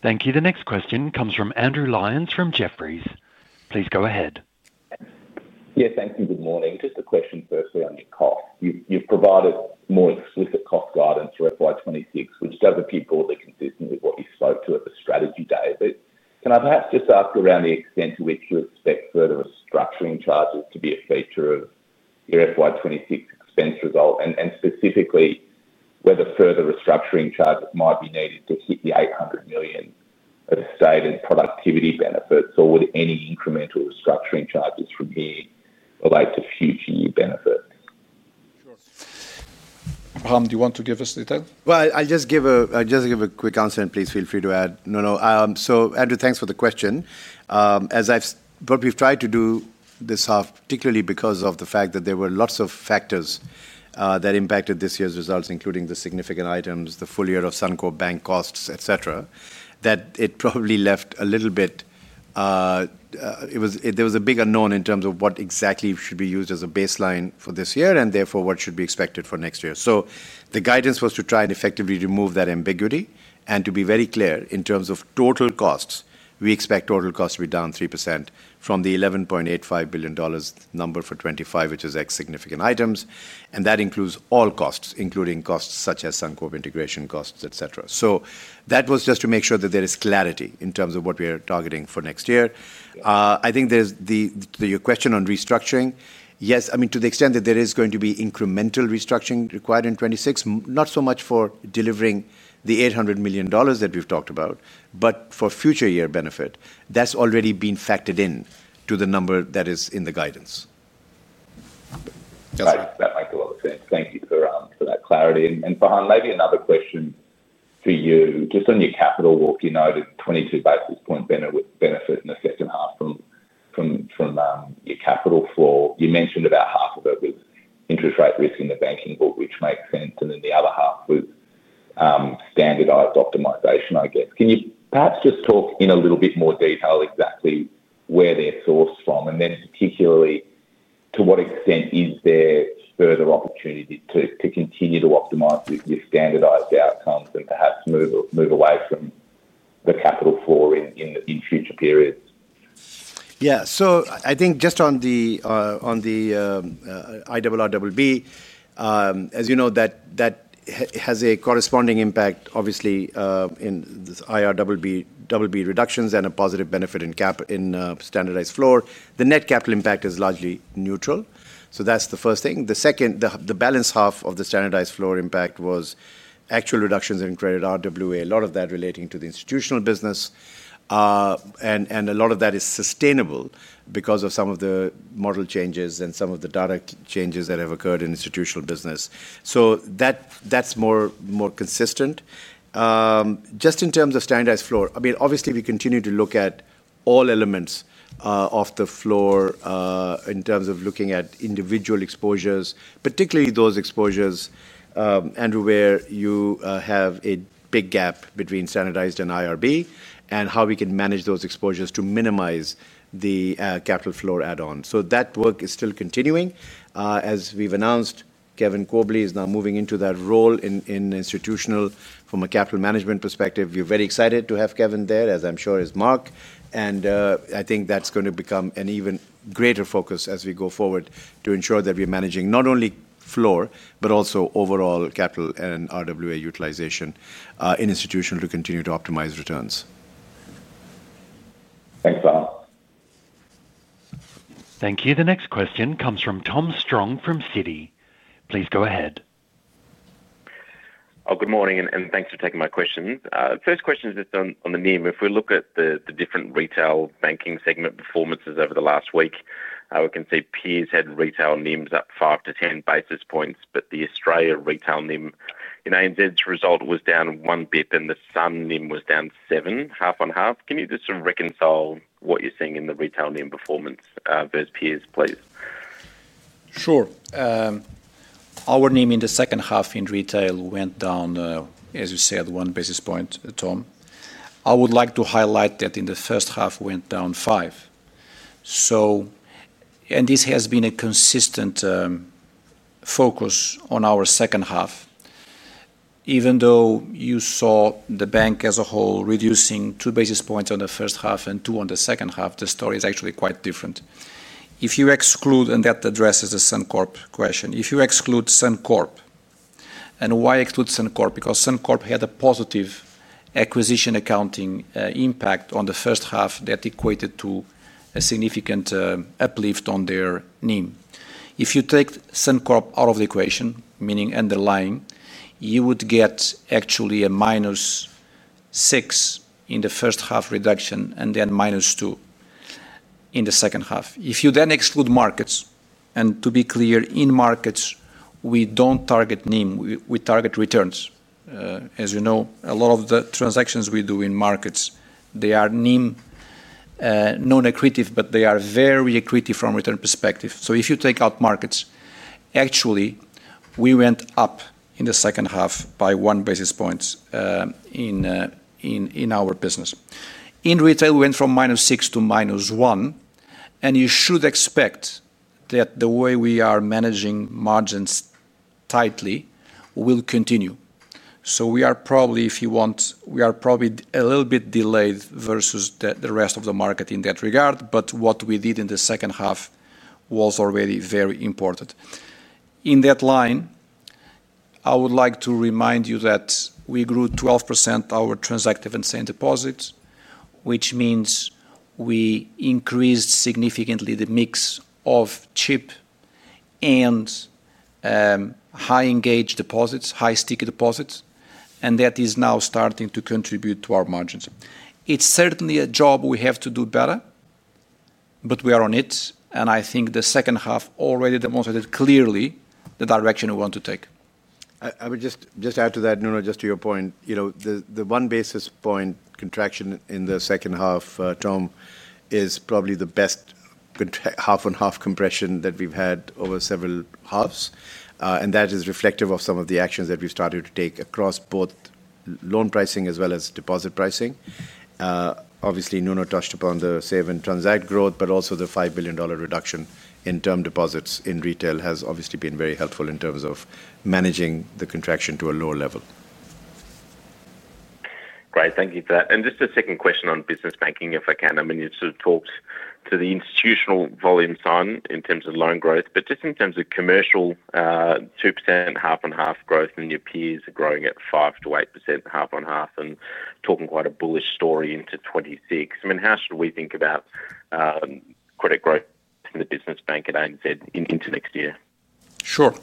Thank you. The next question comes from Andrew Lyons from Jefferies. Please go ahead. Yes, thank you. Good morning. Just a question firstly on your cost. You've provided more explicit cost guidance for FY2026, which does appear broadly consistent with what you spoke to at the Strategy Day. Can I perhaps just ask around the extent to which you expect further restructuring charges to be a feature of your FY 2026 expense result, and specifically whether further restructuring charges might be needed to hit the 800 million of stated productivity benefits, or would any incremental restructuring charges from here relate to future year benefits? Farhan, do you want to give us detail? I'll just give a quick answer, and please feel free to add. [Nuno]. Andrew, thanks for the question. As I've what we've tried to do this half, particularly because of the fact that there were lots of factors that impacted this year's results, including the significant items, the full year of Suncorp Bank costs, etc., that it probably left a little bit there was a big unknown in terms of what exactly should be used as a baseline for this year, and therefore what should be expected for next year. The guidance was to try and effectively remove that ambiguity and to be very clear in terms of total costs. We expect total costs to be down 3% from the 11.85 billion dollars number for 2025, which is excluding significant items. That includes all costs, including costs such as Suncorp integration costs, etc. That was just to make sure that there is clarity in terms of what we are targeting for next year. I think there's the question on restructuring. Yes, I mean, to the extent that there is going to be incremental restructuring required in 2026, not so much for delivering the 800 million dollars that we've talked about, but for future year benefit. That's already been factored into the number that is in the guidance. That makes a lot of sense. Thank you for that clarity. Farhan, maybe another question for you. Just on your capital wall, you noted 22 basis points benefit in the second half from your capital floor. You mentioned about half of it was interest rate risk in the banking book, which makes sense, and then the other half was standardized optimization, I guess. Can you perhaps just talk in a little bit more detail exactly where they're sourced from, and then particularly to what extent is there further opportunity to continue to optimize your standardized outcomes and perhaps move away from the capital floor in future periods? Yeah. I think just on the IRRBB, as you know, that has a corresponding impact, obviously, in IRRBB reductions and a positive benefit in standardized floor. The net capital impact is largely neutral. That's the first thing. The second, the balance half of the standardized floor impact was actual reductions in credit RWA, a lot of that relating to the institutional business, and a lot of that is sustainable because of some of the model changes and some of the data changes that have occurred in institutional business. That's more consistent. Just in terms of standardized floor, I mean, obviously, we continue to look at all elements of the floor in terms of looking at individual exposures, particularly those exposures, Andrew, where you have a big gap between standardized and IRB, and how we can manage those exposures to minimize the capital floor add-on. That work is still continuing. As we have announced, Kevin Corbally is now moving into that role in institutional from a capital management perspective. We are very excited to have Kevin there, as I am sure is Mark. I think that is going to become an even greater focus as we go forward to ensure that we are managing not only floor, but also overall capital and RWA utilization in institutional to continue to optimize returns. Thanks, Farhan. Thank you. The next question comes from Tom Strong from Citi. Please go ahead. Good morning, and thanks for taking my question. First question is just on the NIM. If we look at the different retail banking segment performances over the last week, we can see peers had retail NIMs up 5-10 basis points, but the Australia retail NIM in ANZ's result was down one bit, then the Sun NIM was down seven, half and half. Can you just reconcile what you're seeing in the retail NIM performance versus peers, please? Sure. Our NIM in the second half in retail went down, as you said, 1 basis point, Tom. I would like to highlight that in the first half, it went down five. This has been a consistent focus on our second half. Even though you saw the bank as a whole reducing 2 basis points on the first half and two on the second half, the story is actually quite different. If you exclude, and that addresses the Suncorp question. If you exclude Suncorp, and why exclude Suncorp? Because Suncorp had a positive acquisition accounting impact on the first half that equated to a significant uplift on their NIM. If you take Suncorp out of the equation, meaning underlying, you would get actually a minus six in the first half reduction and then minus two in the second half. If you then exclude markets, and to be clear, in markets, we do not target NIM. We target returns. As you know, a lot of the transactions we do in markets, they are NIM non-accretive, but they are very accretive from a return perspective. If you take out markets, actually, we went up in the second half by 1 basis point in our business. In retail, we went from -6 to -1, and you should expect that the way we are managing margins tightly will continue. We are probably, if you want, we are probably a little bit delayed versus the rest of the market in that regard, but what we did in the second half was already very important. In that line, I would like to remind you that we grew 12% our transactive and same deposits, which means we increased significantly the mix of cheap and high-engaged deposits, high-sticky deposits, and that is now starting to contribute to our margins. It's certainly a job we have to do better, but we are on it, and I think the second half already demonstrated clearly the direction we want to take. I would just add to that, Nuno, just to your point, the 1 basis point contraction in the second half, Tom, is probably the best half-and-half compression that we've had over several halves, and that is reflective of some of the actions that we've started to take across both loan pricing as well as deposit pricing. Obviously, Nuno touched upon the save and transact growth, but also the 5 billion dollar reduction in term deposits in retail has obviously been very helpful in terms of managing the contraction to a lower level. Great. Thank you for that. Just a second question on business banking, if I can. I mean, you sort of talked to the institutional volume sign in terms of loan growth, but just in terms of commercial, 2% 50/50 growth, and your peers are growing at 5%-8% 50/50 and talking quite a bullish story into 2026. I mean, how should we think about credit growth in the business bank at ANZ into next year? Sure.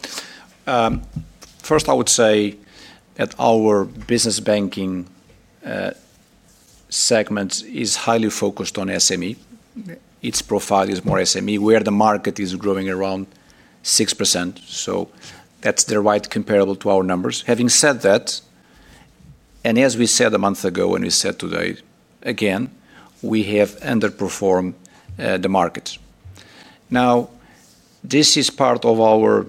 First, I would say that our business banking segment is highly focused on SME. Its profile is more SME, where the market is growing around 6%. So that's the right comparable to our numbers. Having said that, and as we said a month ago and we said today, again, we have underperformed the markets. Now, this is part of our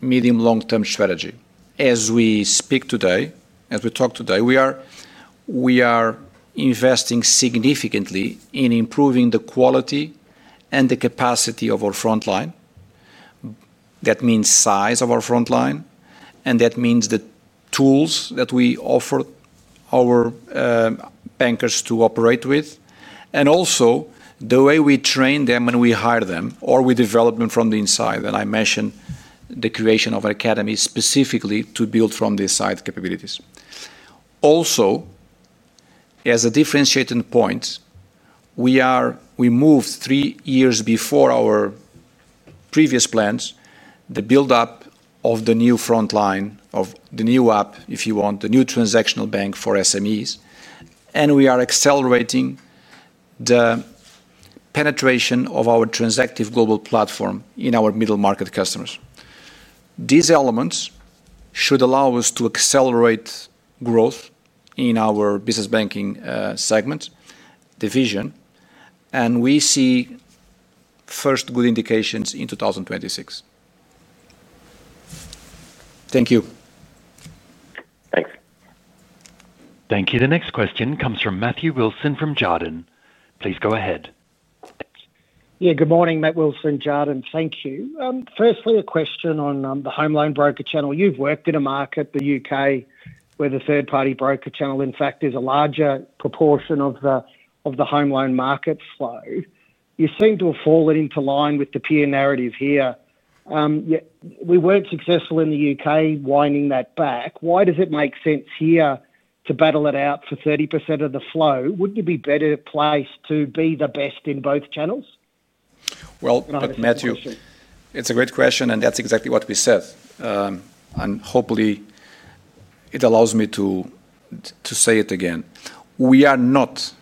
medium-long-term strategy. As we speak today, as we talk today, we are investing significantly in improving the quality and the capacity of our frontline. That means size of our frontline, and that means the tools that we offer our bankers to operate with, and also the way we train them when we hire them or we develop them from the inside. I mentioned the creation of an academy specifically to build from the side capabilities. Also, as a differentiating point, we moved three years before our previous plans the build-up of the new frontline of the new app, if you want, the new transactional bank for SMEs, and we are accelerating the penetration of our Transactive Global platform in our middle market customers. These elements should allow us to accelerate growth in our business banking segment division, and we see first good indications in 2026. Thank you. Thanks. Thank you. The next question comes from Matthew Wilson from Jarden. Please go ahead. Yeah, good morning, Matt Wilson, Jarden, thank you. Firstly, a question on the home loan broker channel. You have worked in a market, the U.K., where the third-party broker channel, in fact, is a larger proportion of the home loan market flow. You seem to have fallen into line with the peer narrative here. We were not successful in the U.K. winding that back. Why does it make sense here to battle it out for 30% of the flow? Would not you be better placed to be the best in both channels? Matthew, it is a great question, and that is exactly what we said. Hopefully, it allows me to say it again. We are not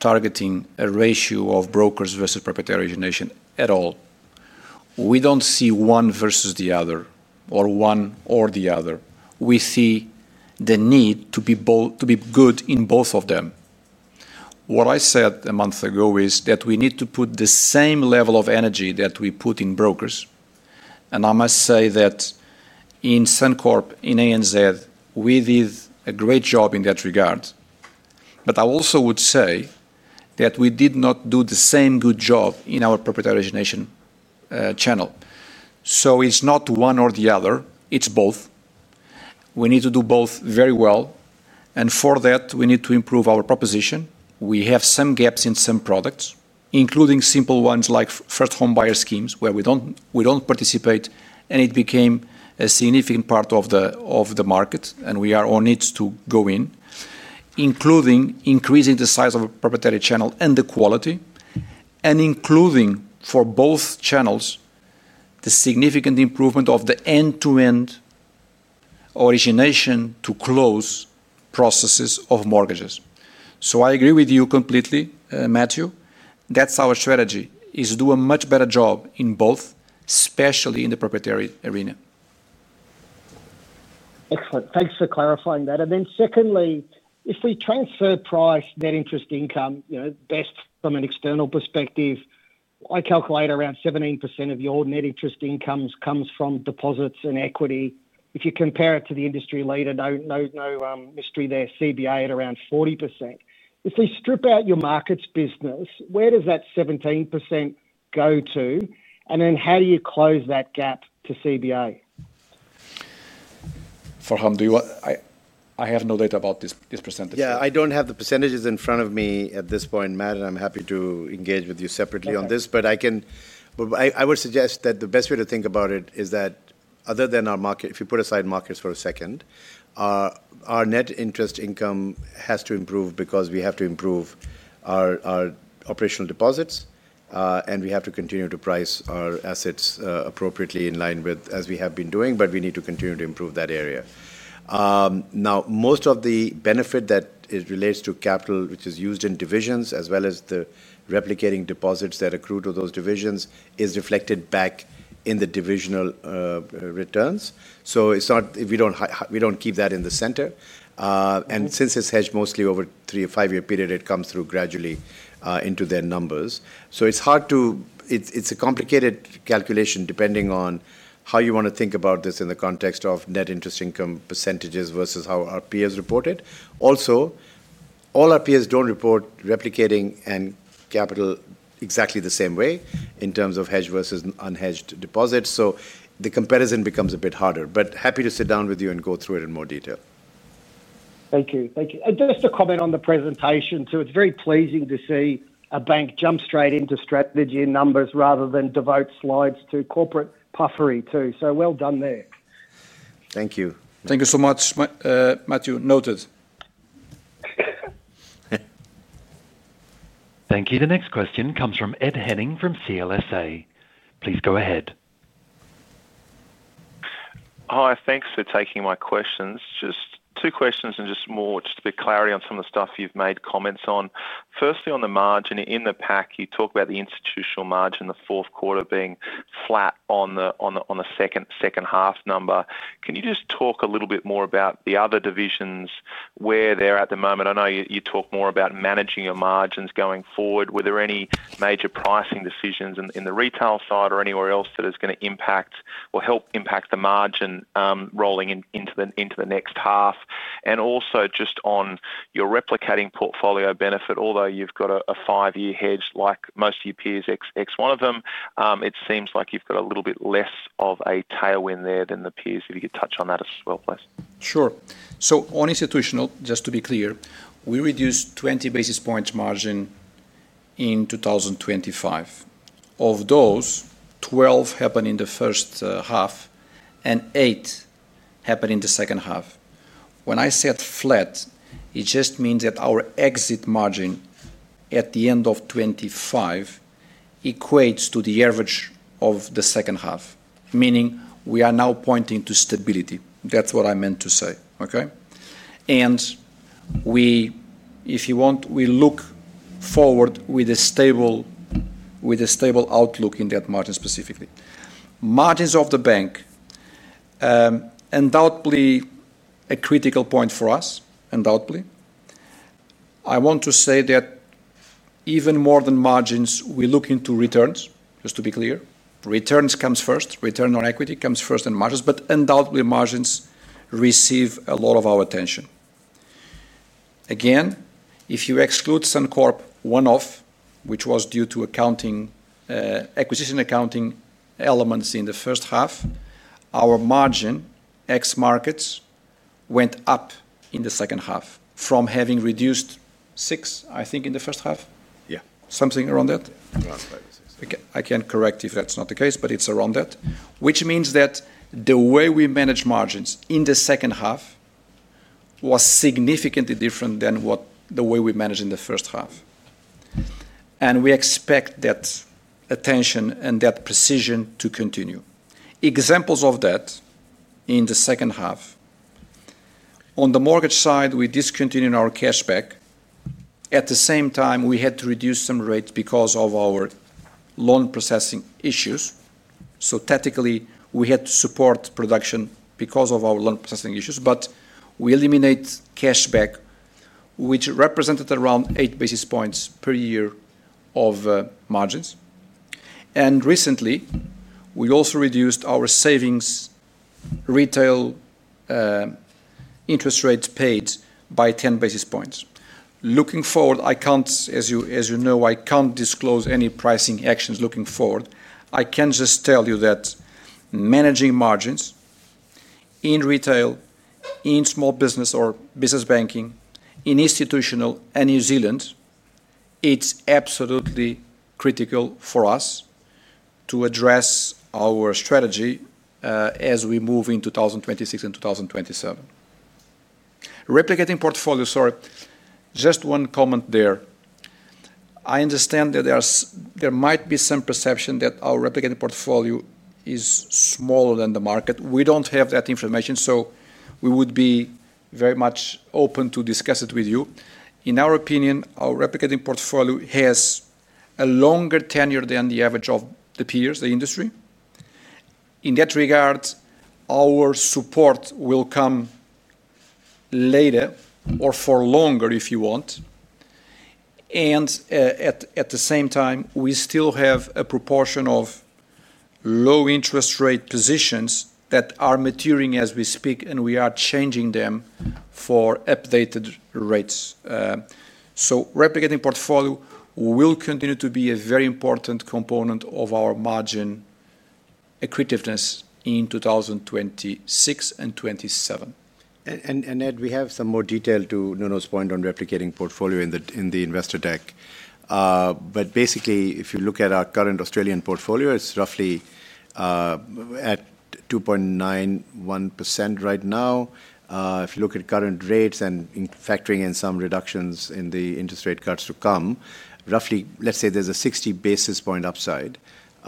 targeting a ratio of brokers versus proprietary origination at all. We do not see one versus the other or one or the other. We see the need to be good in both of them. What I said a month ago is that we need to put the same level of energy that we put in brokers. I must say that in Suncorp, in ANZ, we did a great job in that regard. I also would say that we did not do the same good job in our proprietary origination channel. It is not one or the other. It is both. We need to do both very well. For that, we need to improve our proposition. We have some gaps in some products, including simple ones like first home buyer schemes, where we do not participate, and it became a significant part of the market, and we are on it to go in, including increasing the size of a proprietary channel and the quality, and including for both channels the significant improvement of the end-to-end origination to close processes of mortgages. I agree with you completely, Matthew. That is our strategy, to do a much better job in both, especially in the proprietary arena. Excellent. Thanks for clarifying that. Then secondly, if we transfer price net interest income, best from an external perspective, I calculate around 17% of your net interest income comes from deposits and equity. If you compare it to the industry leader, no mystery there, CBA at around 40%. If we strip out your markets business, where does that 17% go to? How do you close that gap to CBA? Farhan, do you want? I have no data about this percentage. Yeah, I do not have the percentages in front of me at this point, Matt, and I am happy to engage with you separately on this, but I would suggest that the best way to think about it is that other than our market, if you put aside markets for a second, our net interest income has to improve because we have to improve our operational deposits, and we have to continue to price our assets appropriately in line with as we have been doing, but we need to continue to improve that area. Now, most of the benefit that relates to capital, which is used in divisions as well as the replicating deposits that accrue to those divisions, is reflected back in the divisional returns. We do not keep that in the center. Since it is hedged mostly over a three or five-year period, it comes through gradually into their numbers. It's hard to—it's a complicated calculation depending on how you want to think about this in the context of net interest income percentages versus how our peers report it. Also, all our peers don't report replicating capital exactly the same way in terms of hedged versus unhedged deposits. The comparison becomes a bit harder, but happy to sit down with you and go through it in more detail. Thank you. Thank you. Just to comment on the presentation too, it's very pleasing to see a bank jump straight into strategy and numbers rather than devote slides to corporate puffery too. Well done there. Thank you. Thank you so much, Matthew. Noted. Thank you. The next question comes from Ed Henning from CLSA. Please go ahead. Hi, thanks for taking my questions. Just two questions and just more just to be clarity on some of the stuff you've made comments on. Firstly, on the margin in the pack, you talk about the institutional margin, the fourth quarter being flat on the second half number. Can you just talk a little bit more about the other divisions, where they're at the moment? I know you talk more about managing your margins going forward. Were there any major pricing decisions in the retail side or anywhere else that is going to impact or help impact the margin rolling into the next half? Also just on your replicating portfolio benefit, although you've got a five-year hedge like most of your peers, ex one of them, it seems like you've got a little bit less of a tailwind there than the peers. If you could touch on that as well, please. Sure. On institutional, just to be clear, we reduced 20 basis points margin in 2025. Of those, 12 happened in the first half and happened in the second half. When I said flat, it just means that our exit margin at the end of 2025 equates to the average of the second half, meaning we are now pointing to stability. That is what I meant to say, okay? If you want, we look forward with a stable outlook in that margin specifically. Margins of the bank, undoubtedly a critical point for us, undoubtedly. I want to say that even more than margins, we are looking to returns, just to be clear. Returns comes first. Return on equity comes first and margins, but undoubtedly margins receive a lot of our attention. Again, if you exclude Suncorp one-off, which was due to acquisition accounting elements in the first half, our margin ex markets went up in the second half from having reduced six, I think, in the first half. Yeah. Something around that. Around 36. I can correct if that's not the case, but it's around that, which means that the way we manage margins in the second half was significantly different than the way we manage in the first half. We expect that attention and that precision to continue. Examples of that in the second half. On the mortgage side, we discontinued our cashback. At the same time, we had to reduce some rates because of our loan processing issues. Tactically, we had to support production because of our loan processing issues, but we eliminate cashback, which represented around eight basis points per year of margins. Recently, we also reduced our savings retail interest rates paid by 10 basis points. Looking forward, I can't, as you know, I can't disclose any pricing actions looking forward. I can just tell you that managing margins in retail, in small business or business banking, in institutional and New Zealand, it's absolutely critical for us to address our strategy as we move in 2026 and 2027. Replicating portfolio, sorry. Just one comment there. I understand that there might be some perception that our replicating portfolio is smaller than the market. We don't have that information, so we would be very much open to discuss it with you. In our opinion, our replicating portfolio has a longer tenure than the average of the peers, the industry. In that regard, our support will come later or for longer if you want. At the same time, we still have a proportion of low interest rate positions that are maturing as we speak, and we are changing them for updated rates. Replicating portfolio will continue to be a very important component of our margin equitativeness in 2026 and 2027. Ed, we have some more detail to Nuno's point on replicating portfolio in the investor tech. Basically, if you look at our current Australian portfolio, it is roughly at 2.91% right now. If you look at current rates and factoring in some reductions in the interest rate cuts to come, roughly, let's say there is a 60 basis points upside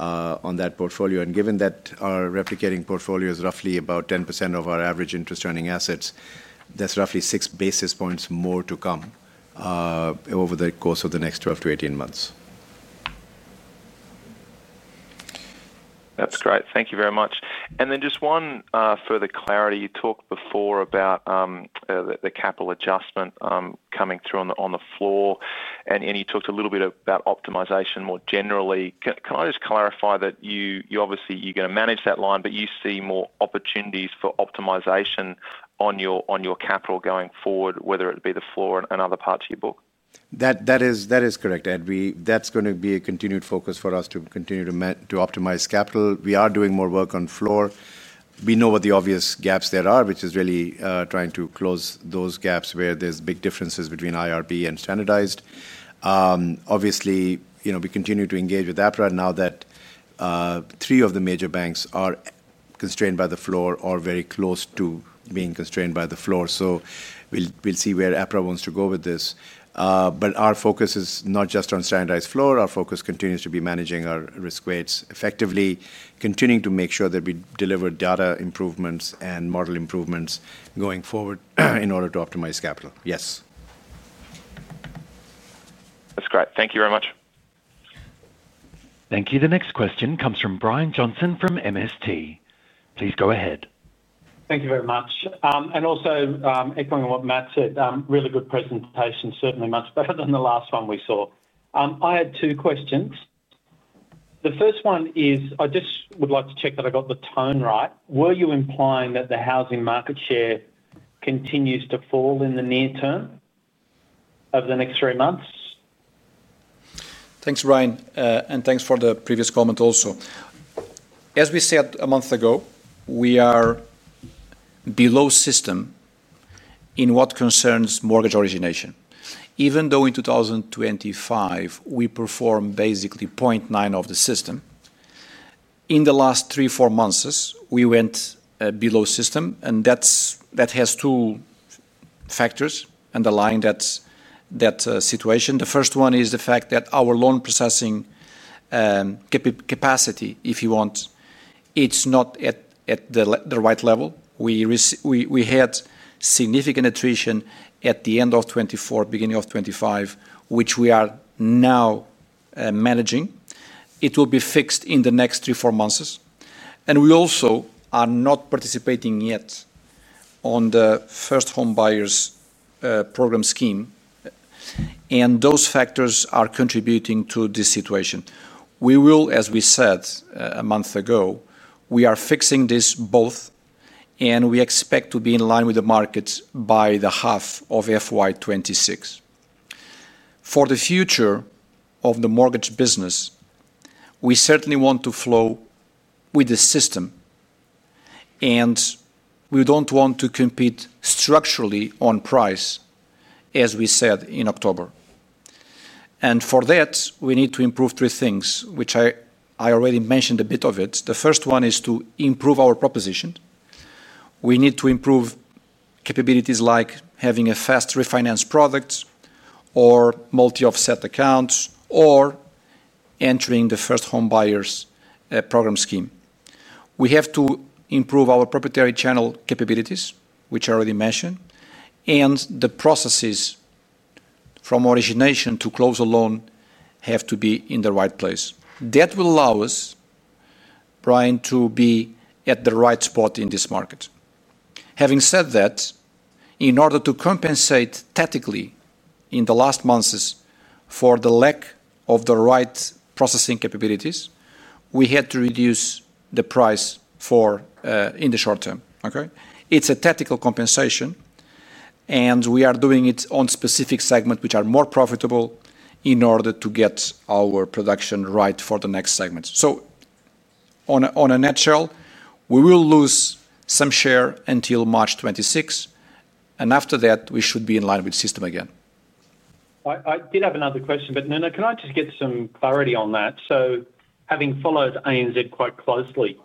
on that portfolio. Given that our replicating portfolio is roughly about 10% of our average interest earning assets, that is roughly six basis points more to come over the course of the next 12-18 months. That is great. Thank you very much. Just one further clarity. You talked before about the capital adjustment coming through on the floor, and you talked a little bit about optimization more generally. Can I just clarify that you obviously are going to manage that line, but you see more opportunities for optimization on your capital going forward, whether it be the floor and other parts of your book? That is correct, Ed. That is going to be a continued focus for us to continue to optimize capital. We are doing more work on floor. We know what the obvious gaps there are, which is really trying to close those gaps where there are big differences between IRB and standardized. Obviously, we continue to engage with APRA now that three of the major banks are constrained by the floor or very close to being constrained by the floor. We'll see where APRA wants to go with this. Our focus is not just on standardized floor. Our focus continues to be managing our risk weights effectively, continuing to make sure that we deliver data improvements and model improvements going forward in order to optimize capital. Yes. That's great. Thank you very much. Thank you. The next question comes from Brian Johnson from MST. Please go ahead. Thank you very much. Also echoing what Matt said, really good presentation, certainly much better than the last one we saw. I had two questions. The first one is, I just would like to check that I got the tone right. Were you implying that the housing market share continues to fall in the near term over the next three months? Thanks, Brian, and thanks for the previous comment also. As we said a month ago, we are below system in what concerns mortgage origination. Even though in 2025, we performed basically 0.9 of the system, in the last three, four months, we went below system, and that has two factors underlying that situation. The first one is the fact that our loan processing capacity, if you want, it's not at the right level. We had significant attrition at the end of 2024, beginning of 2025, which we are now managing. It will be fixed in the next three, four months. We also are not participating yet on the first home buyers program scheme, and those factors are contributing to this situation. We will, as we said a month ago, we are fixing this both, and we expect to be in line with the markets by the half of FY 2026. For the future of the mortgage business, we certainly want to flow with the system, and we do not want to compete structurally on price, as we said in October. For that, we need to improve three things, which I already mentioned a bit of. The first one is to improve our proposition. We need to improve capabilities like having a fast refinance product or multi-offset accounts or entering the first home buyers program scheme. We have to improve our proprietary channel capabilities, which I already mentioned, and the processes from origination to close a loan have to be in the right place. That will allow us, Brian, to be at the right spot in this market. Having said that, in order to compensate tactically in the last months for the lack of the right processing capabilities, we had to reduce the price in the short term, okay? It's a tactical compensation, and we are doing it on specific segments which are more profitable in order to get our production right for the next segments. In a nutshell, we will lose some share until March 2026, and after that, we should be in line with system again. I did have another question, but Nuno, can I just get some clarity on that? Having followed ANZ quite closely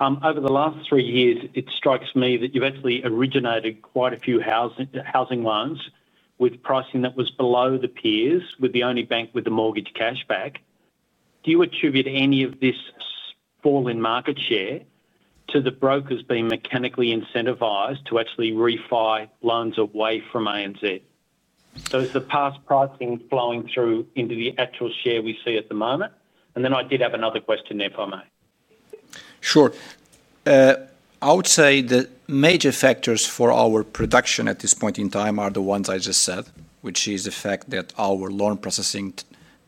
over the last three years, it strikes me that you've actually originated quite a few housing loans with pricing that was below the peers, with the only bank with the mortgage cashback. Do you attribute any of this fall in market share to the brokers being mechanically incentivized to actually refi loans away from ANZ? Is the past pricing flowing through into the actual share we see at the moment? I did have another question there, if I may. Sure. I would say the major factors for our production at this point in time are the ones I just said, which is the fact that our loan processing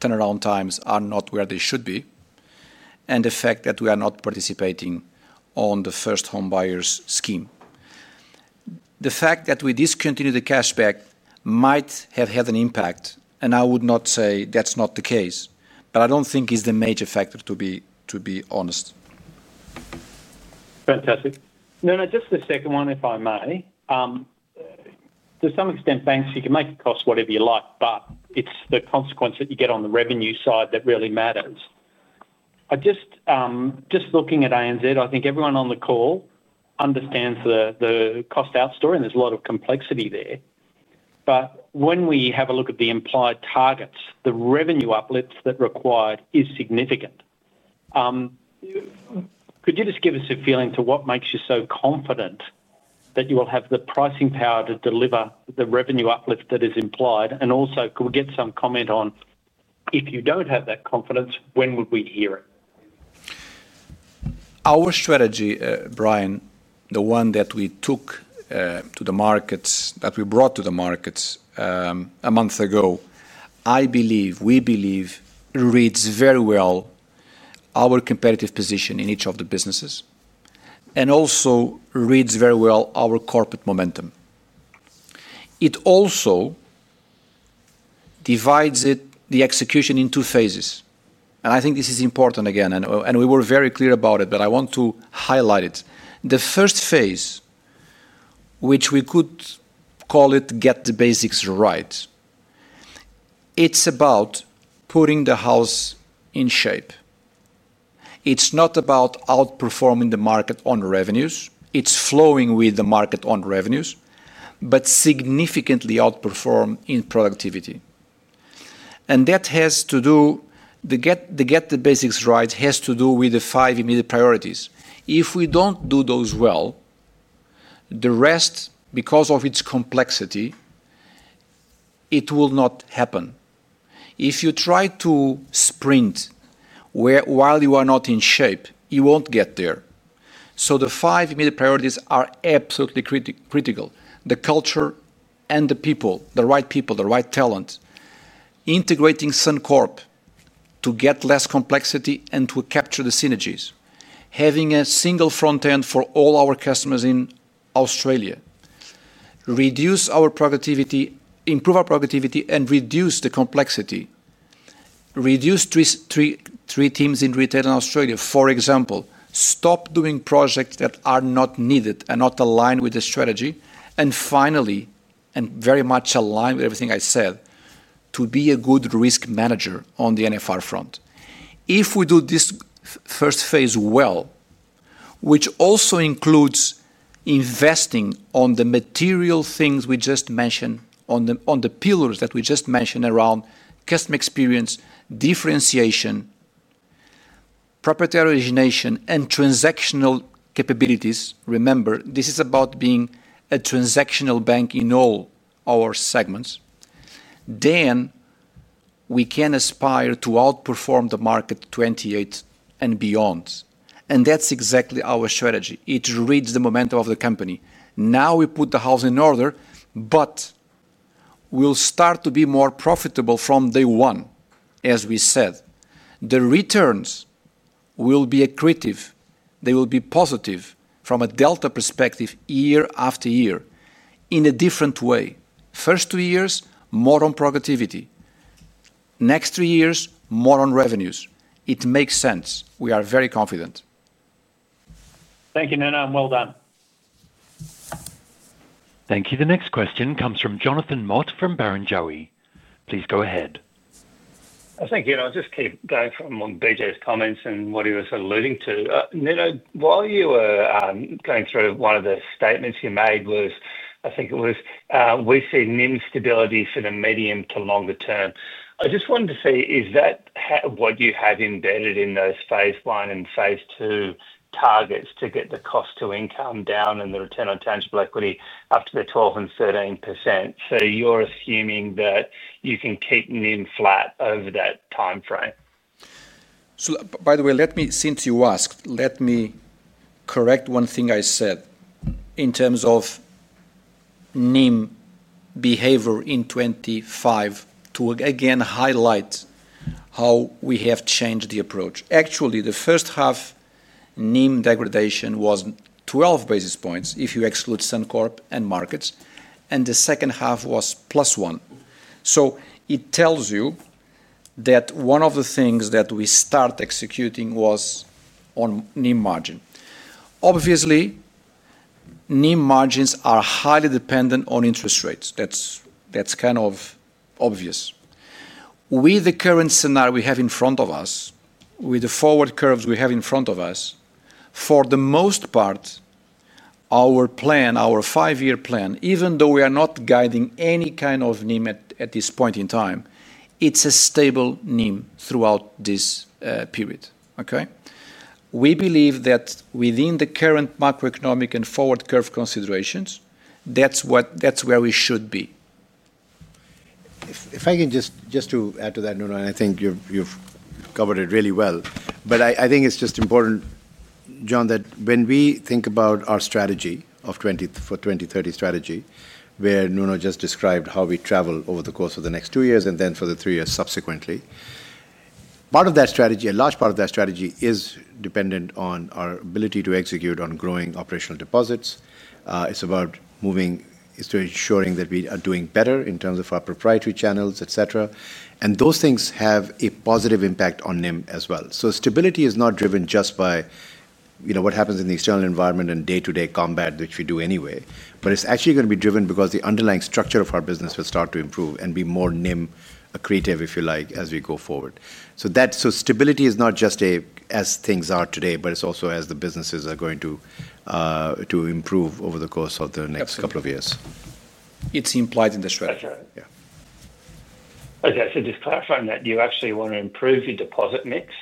turnaround times are not where they should be, and the fact that we are not participating on the first home buyers scheme. The fact that we discontinued the cashback might have had an impact, and I would not say that's not the case, but I don't think it's the major factor, to be honest. Fantastic. Nuno, just the second one, if I may. To some extent, banks, you can make it cost whatever you like, but it's the consequence that you get on the revenue side that really matters. Just looking at ANZ, I think everyone on the call understands the cost out story, and there is a lot of complexity there. When we have a look at the implied targets, the revenue uplift that is required is significant. Could you just give us a feeling to what makes you so confident that you will have the pricing power to deliver the revenue uplift that is implied? Also, could we get some comment on if you do not have that confidence, when would we hear it? Our strategy, Brian, the one that we took to the markets, that we brought to the markets a month ago, I believe, we believe, reads very well our competitive position in each of the businesses and also reads very well our corporate momentum. It also divides the execution into phases. I think this is important again, and we were very clear about it, but I want to highlight it. The first phase, which we could call it get the basics right, is about putting the house in shape. It is not about outperforming the market on revenues. It is flowing with the market on revenues, but significantly outperform in productivity. The get the basics right has to do with the five immediate priorities. If we do not do those well, the rest, because of its complexity, will not happen. If you try to sprint while you are not in shape, you will not get there. The five immediate priorities are absolutely critical. The culture and the people, the right people, the right talent, integrating Suncorp to get less complexity and to capture the synergies, having a single front end for all our customers in Australia, reduce our productivity, improve our productivity, and reduce the complexity, reduce three teams in retail in Australia, for example, stop doing projects that are not needed and not aligned with the strategy, and finally, and very much aligned with everything I said, to be a good risk manager on the NFR front. If we do this first phase well, which also includes investing on the material things we just mentioned, on the pillars that we just mentioned around customer experience, differentiation, proprietary origination, and transactional capabilities, remember, this is about being a transactional bank in all our segments, then we can aspire to outperform the market 2028 and beyond. That is exactly our strategy. It reads the momentum of the company. Now we put the house in order, but we'll start to be more profitable from day one, as we said. The returns will be accretive. They will be positive from a delta perspective year after year in a different way. First two years, more on productivity. Next three years, more on revenues. It makes sense. We are very confident. Thank you, Nuno. Well done. Thank you. The next question comes from Jonathan Mott from Barrenjoey. Please go ahead. Thank you. I'll just keep going from BJ's comments and what he was alluding to. Nuno, while you were going through one of the statements you made was, I think it was, "We see an instability for the medium to longer term." I just wanted to see, is that what you have embedded in those phase one and phase two targets to get the cost to income down and the return on tangible equity up to the 12% and 13%? So you're assuming that you can keep NIM flat over that timeframe. By the way, since you asked, let me correct one thing I said in terms of NIM behavior in 2025 to again highlight how we have changed the approach. Actually, the first half NIM degradation was 12 basis points if you exclude Suncorp and markets, and the second half was plus one. It tells you that one of the things that we start executing was on NIM margin. Obviously, NIM margins are highly dependent on interest rates. That's kind of obvious. With the current scenario we have in front of us, with the forward curves we have in front of us, for the most part, our plan, our five-year plan, even though we are not guiding any kind of NIM at this point in time, it's a stable NIM throughout this period, okay? We believe that within the current macroeconomic and forward curve considerations, that's where we should be. If I can just add to that, Nuno, and I think you've covered it really well, but I think it's just important, John, that when we think about our strategy for 2030 strategy, where Nuno just described how we travel over the course of the next two years and then for the three years subsequently, part of that strategy, a large part of that strategy, is dependent on our ability to execute on growing operational deposits. It's about moving to ensuring that we are doing better in terms of our proprietary channels, etc. Those things have a positive impact on NIM as well. Stability is not driven just by what happens in the external environment and day-to-day combat, which we do anyway, but it's actually going to be driven because the underlying structure of our business will start to improve and be more NIM accretive, if you like, as we go forward. Stability is not just as things are today, but it's also as the businesses are going to improve over the course of the next couple of years. It's implied in the strategy. Okay. Just clarifying that, you actually want to improve your deposit mix,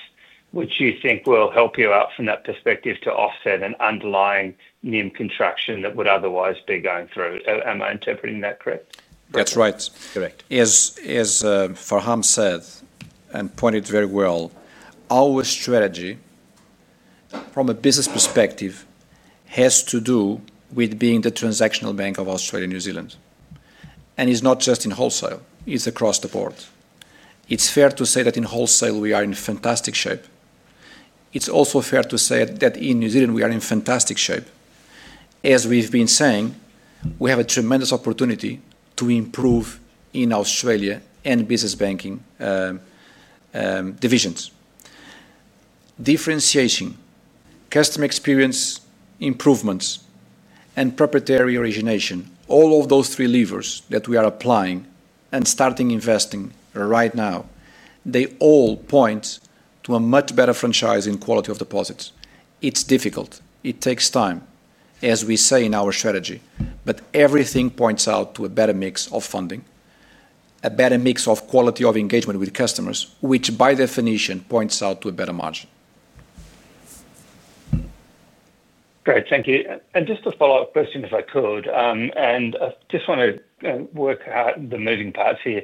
which you think will help you out from that perspective to offset an underlying NIM contraction that would otherwise be going through. Am I interpreting that correct? That's right. Correct. As Farhan said and pointed very well, our strategy from a business perspective has to do with being the transactional bank of Australia and New Zealand. It's not just in wholesale. It's across the board. It's fair to say that in wholesale, we are in fantastic shape. It's also fair to say that in New Zealand, we are in fantastic shape. As we've been saying, we have a tremendous opportunity to improve in Australia and business banking divisions. Differentiation, customer experience improvements, and proprietary origination, all of those three levers that we are applying and starting investing right now, they all point to a much better franchise in quality of deposits. It's difficult. It takes time, as we say in our strategy, but everything points out to a better mix of funding, a better mix of quality of engagement with customers, which by definition points out to a better margin. Great. Thank you. Just a follow-up question, if I could. I just want to work out the moving parts here.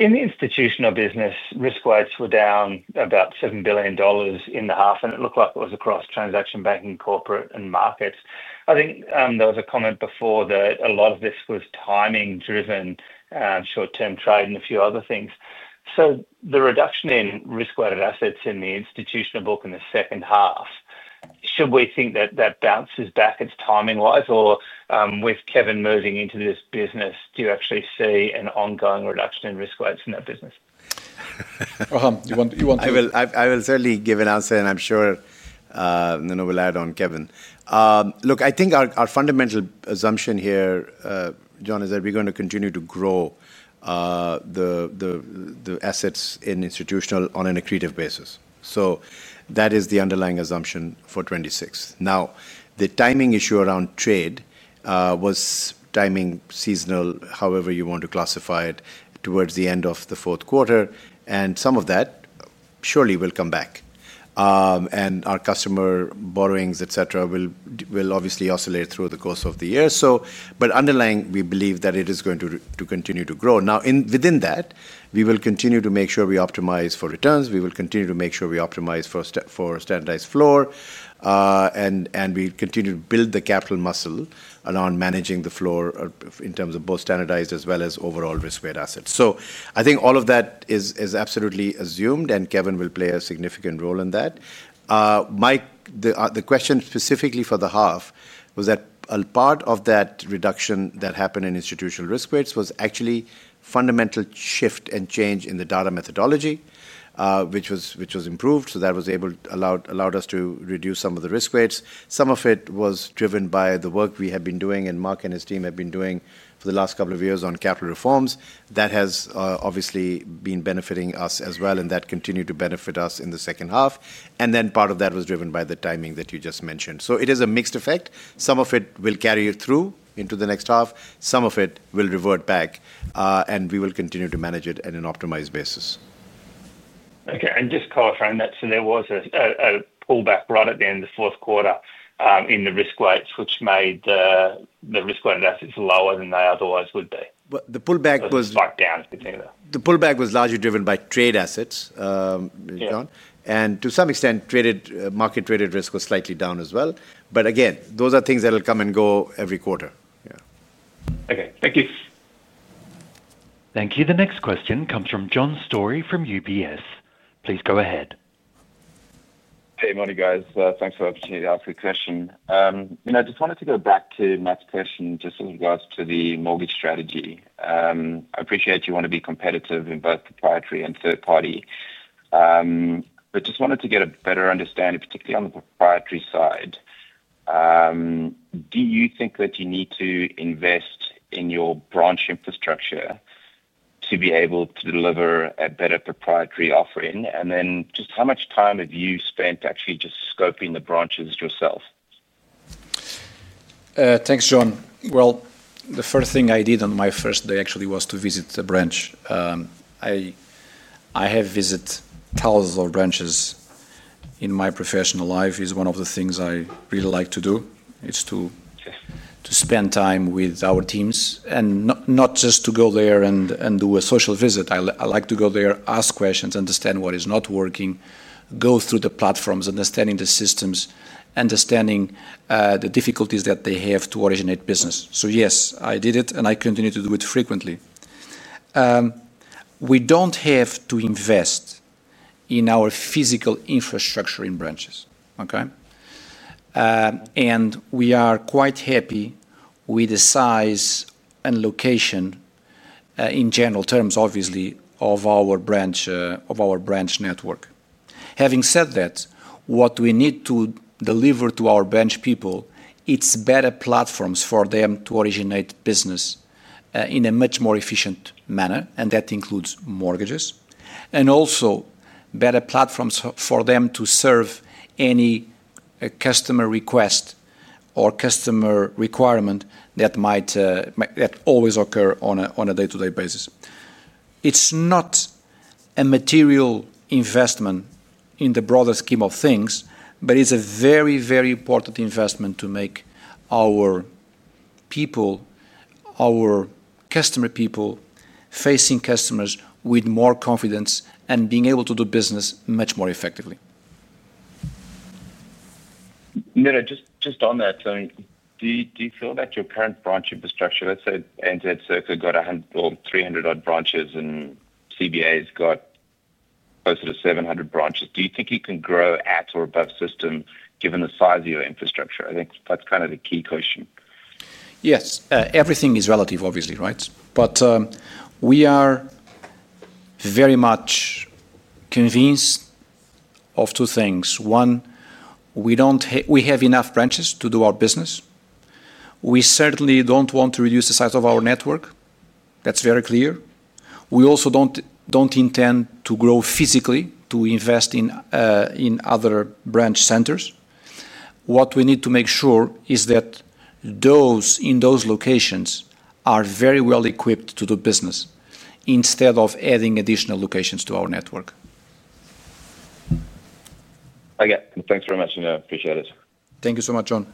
In the institutional business, risk weights were down about 7 billion dollars in the half, and it looked like it was across transaction banking, corporate, and markets. I think there was a comment before that a lot of this was timing-driven, short-term trade, and a few other things. The reduction in risk-weighted assets in the institutional book in the second half, should we think that that bounces back, it's timing-wise, or with Kevin moving into this business, do you actually see an ongoing reduction in risk weights in that business? Farhan, you want to? I will certainly give an answer, and I'm sure Nuno will add on, Kevin. Look, I think our fundamental assumption here, John, is that we're going to continue to grow the assets in institutional on an accretive basis. That is the underlying assumption for 2026. The timing issue around trade was timing seasonal, however you want to classify it, towards the end of the fourth quarter, and some of that surely will come back. Our customer borrowings, etc., will obviously oscillate through the course of the year. Underlying, we believe that it is going to continue to grow. Within that, we will continue to make sure we optimize for returns. We will continue to make sure we optimize for standardized floor, and we continue to build the capital muscle around managing the floor in terms of both standardized as well as overall risk-weighted assets. I think all of that is absolutely assumed, and Kevin will play a significant role in that. Mike, the question specifically for the half was that a part of that reduction that happened in institutional risk weights was actually a fundamental shift and change in the data methodology, which was improved. That allowed us to reduce some of the risk weights. Some of it was driven by the work we have been doing, and Mark and his team have been doing for the last couple of years on capital reforms. That has obviously been benefiting us as well, and that continued to benefit us in the second half. Part of that was driven by the timing that you just mentioned. It is a mixed effect. Some of it will carry through into the next half. Some of it will revert back, and we will continue to manage it on an optimized basis. Okay. Just clarifying that, there was a pullback right at the end of the fourth quarter in the risk weights, which made the risk-weighted assets lower than they otherwise would be. The pullback was a spike down. The pullback was largely driven by trade assets, John. To some extent, market-traded risk was slightly down as well. Again, those are things that will come and go every quarter. Yeah. Okay. Thank you. Thank you. The next question comes from John Storey from UBS. Please go ahead. Hey, morning guys. Thanks for the opportunity to ask a question. I just wanted to go back to Matt's question just in regards to the mortgage strategy. I appreciate you want to be competitive in both proprietary and third-party, but just wanted to get a better understanding, particularly on the proprietary side. Do you think that you need to invest in your branch infrastructure to be able to deliver a better proprietary offering? Just how much time have you spent actually just scoping the branches yourself? Thanks, John. The first thing I did on my first day actually was to visit the branch. I have visited thousands of branches in my professional life. It's one of the things I really like to do, is to spend time with our teams, and not just to go there and do a social visit. I like to go there, ask questions, understand what is not working, go through the platforms, understanding the systems, understanding the difficulties that they have to originate business. Yes, I did it, and I continue to do it frequently. We do not have to invest in our physical infrastructure in branches, okay? We are quite happy with the size and location, in general terms, obviously, of our branch network. Having said that, what we need to deliver to our branch people is better platforms for them to originate business in a much more efficient manner, and that includes mortgages, and also better platforms for them to serve any customer request or customer requirement that always occur on a day-to-day basis. It's not a material investment in the broader scheme of things, but it's a very, very important investment to make our people, our customer people, facing customers with more confidence and being able to do business much more effectively. Nuno, just on that, do you feel that your current branch infrastructure, let's say ANZ got 300-odd branches and CBA's got closer to 700 branches, do you think you can grow at or above system given the size of your infrastructure? I think that's kind of the key question. Yes. Everything is relative, obviously, right? We are very much convinced of two things. One, we have enough branches to do our business. We certainly don't want to reduce the size of our network. That's very clear. We also don't intend to grow physically to invest in other branch centers. What we need to make sure is that those in those locations are very well equipped to do business instead of adding additional locations to our network. Okay. Thanks very much, Nuno. Appreciate it. Thank you so much, John.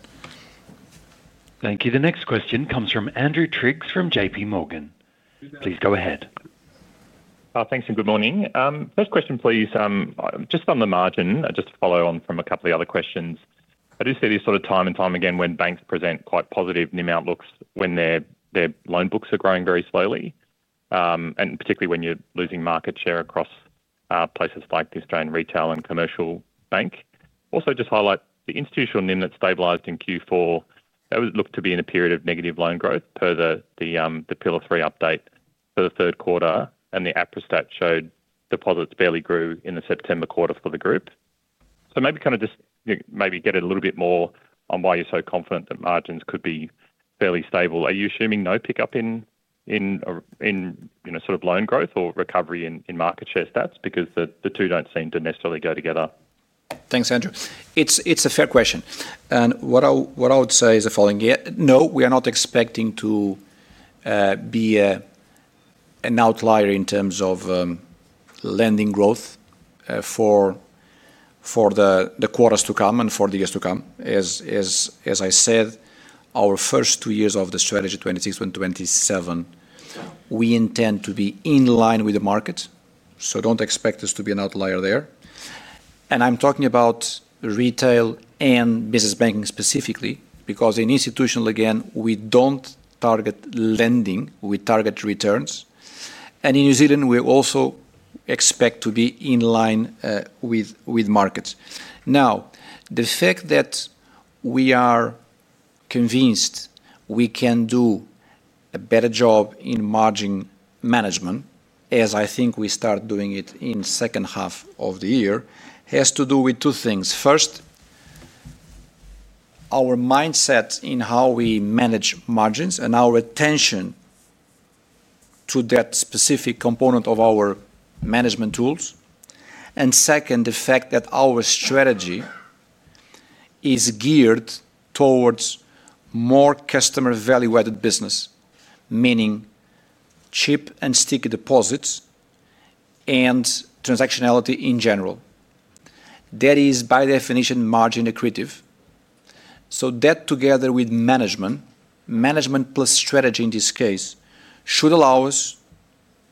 Thank you. The next question comes from Andrew Triggs from JPMorgan. Please go ahead. Thanks and good morning. First question, please. Just on the margin, just to follow on from a couple of other questions. I do see this sort of time and time again when banks present quite positive NIM outlooks when their loan books are growing very slowly, and particularly when you're losing market share across places like the Australian Retail and Commercial Bank. Also just highlight the institutional NIM that stabilized in Q4. That would look to be in a period of negative loan growth per the Pillar Three update for the third quarter, and the APRA stat showed deposits barely grew in the September quarter for the group. Maybe kind of just maybe get a little bit more on why you're so confident that margins could be fairly stable. Are you assuming no pickup in sort of loan growth or recovery in market share stats because the two do not seem to necessarily go together? Thanks, Andrew. It's a fair question. What I would say is the following. No, we are not expecting to be an outlier in terms of lending growth for the quarters to come and for the years to come. As I said, our first two years of the strategy, 2026 and 2027, we intend to be in line with the market. Do not expect us to be an outlier there. I'm talking about retail and business banking specifically because in institutional, again, we do not target lending. We target returns. In New Zealand, we also expect to be in line with markets. The fact that we are convinced we can do a better job in margin management, as I think we start doing it in the second half of the year, has to do with two things. First, our mindset in how we manage margins and our attention to that specific component of our management tools. Second, the fact that our strategy is geared towards more customer-value-added business, meaning cheap and sticky deposits and transactionality in general. That is, by definition, margin accretive. That together with management, management plus strategy in this case, should allow us,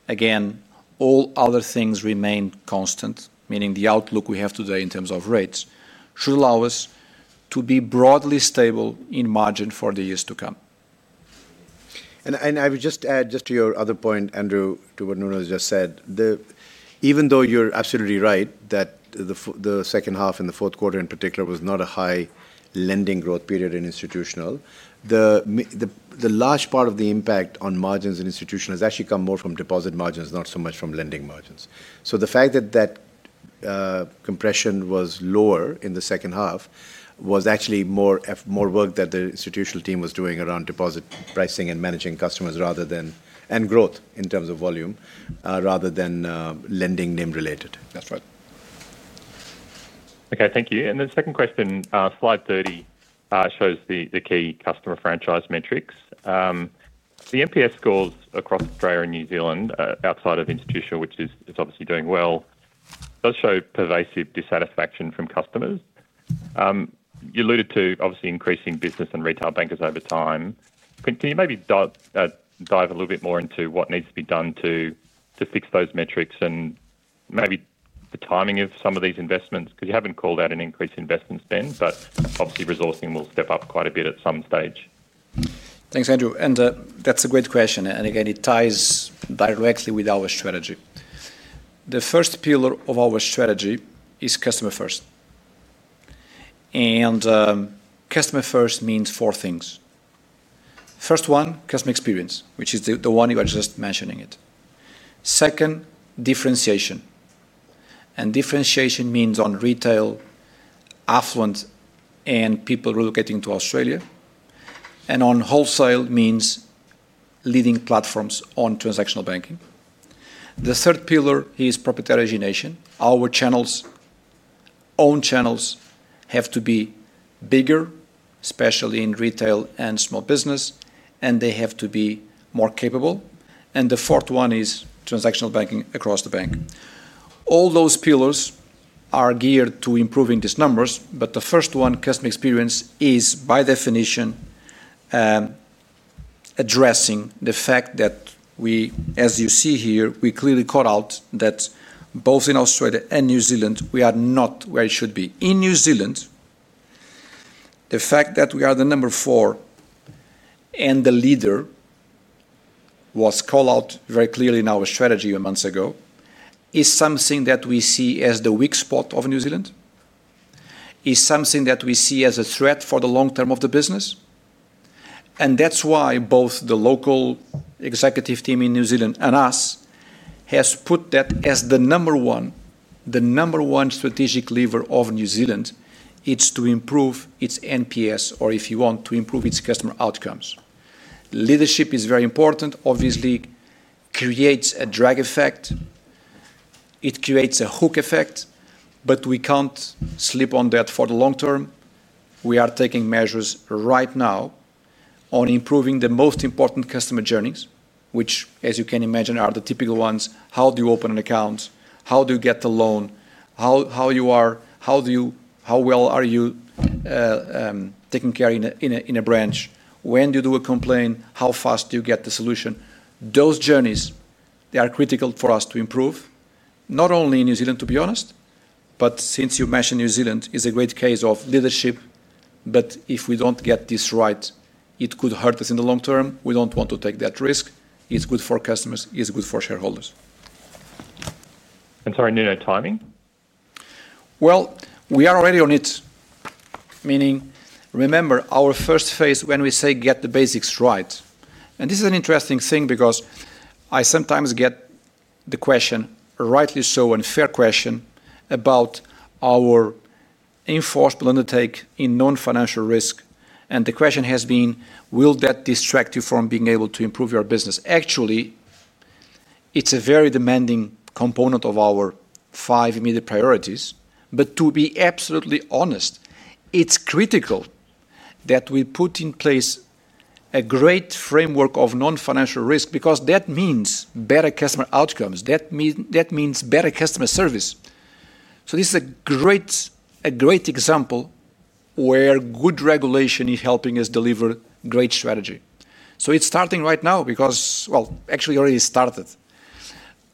again, all other things remain constant, meaning the outlook we have today in terms of rates should allow us to be broadly stable in margin for the years to come. I would just add just to your other point, Andrew, to what Nuno has just said, even though you're absolutely right that the second half and the fourth quarter in particular was not a high lending growth period in institutional, the large part of the impact on margins in institutional has actually come more from deposit margins, not so much from lending margins. The fact that that compression was lower in the second half was actually more work that the institutional team was doing around deposit pricing and managing customers and growth in terms of volume rather than lending NIM-related. That's right. Okay. Thank you. Then second question, slide 30 shows the key customer franchise metrics. The MPS scores across Australia and New Zealand outside of institutional, which is obviously doing well, does show pervasive dissatisfaction from customers. You alluded to obviously increasing business and retail bankers over time. Can you maybe dive a little bit more into what needs to be done to fix those metrics and maybe the timing of some of these investments? Because you have not called out an increase in investment spend, but obviously resourcing will step up quite a bit at some stage. Thanks, Andrew. That is a great question. Again, it ties directly with our strategy. The first pillar of our strategy is customer first. Customer first means four things. First one, customer experience, which is the one you are just mentioning. Second, differentiation. Differentiation means on retail, affluent, and people relocating to Australia. On wholesale, it means leading platforms on transactional banking. The third pillar is proprietary origination. Our channels, own channels have to be bigger, especially in retail and small business, and they have to be more capable. The fourth one is transactional banking across the bank. All those pillars are geared to improving these numbers, but the first one, customer experience, is by definition addressing the fact that we, as you see here, we clearly call out that both in Australia and New Zealand, we are not where it should be. In New Zealand, the fact that we are the number four and the leader was called out very clearly in our strategy a month ago is something that we see as the weak spot of New Zealand, is something that we see as a threat for the long term of the business. That is why both the local executive team in New Zealand and us have put that as the number one, the number one strategic lever of New Zealand. It is to improve its NPS, or if you want, to improve its customer outcomes. Leadership is very important, obviously, creates a drag effect. It creates a hook effect, but we can't sleep on that for the long term. We are taking measures right now on improving the most important customer journeys, which, as you can imagine, are the typical ones. How do you open an account? How do you get a loan? How are you, how well are you taken care of in a branch? When do you do a complaint? How fast do you get the solution? Those journeys, they are critical for us to improve, not only in New Zealand, to be honest, but since you mentioned New Zealand, it is a great case of leadership. If we do not get this right, it could hurt us in the long term. We do not want to take that risk. It is good for customers. It is good for shareholders. Sorry, Nuno, timing? We are already on it. Meaning, remember our first phase when we say get the basics right. This is an interesting thing because I sometimes get the question, rightly so and fair question, about our enforceable undertaking in non-financial risk. The question has been, will that distract you from being able to improve your business? Actually, it's a very demanding component of our five immediate priorities. To be absolutely honest, it's critical that we put in place a great framework of non-financial risk because that means better customer outcomes. That means better customer service. This is a great example where good regulation is helping us deliver great strategy. It's starting right now because, actually, it already started.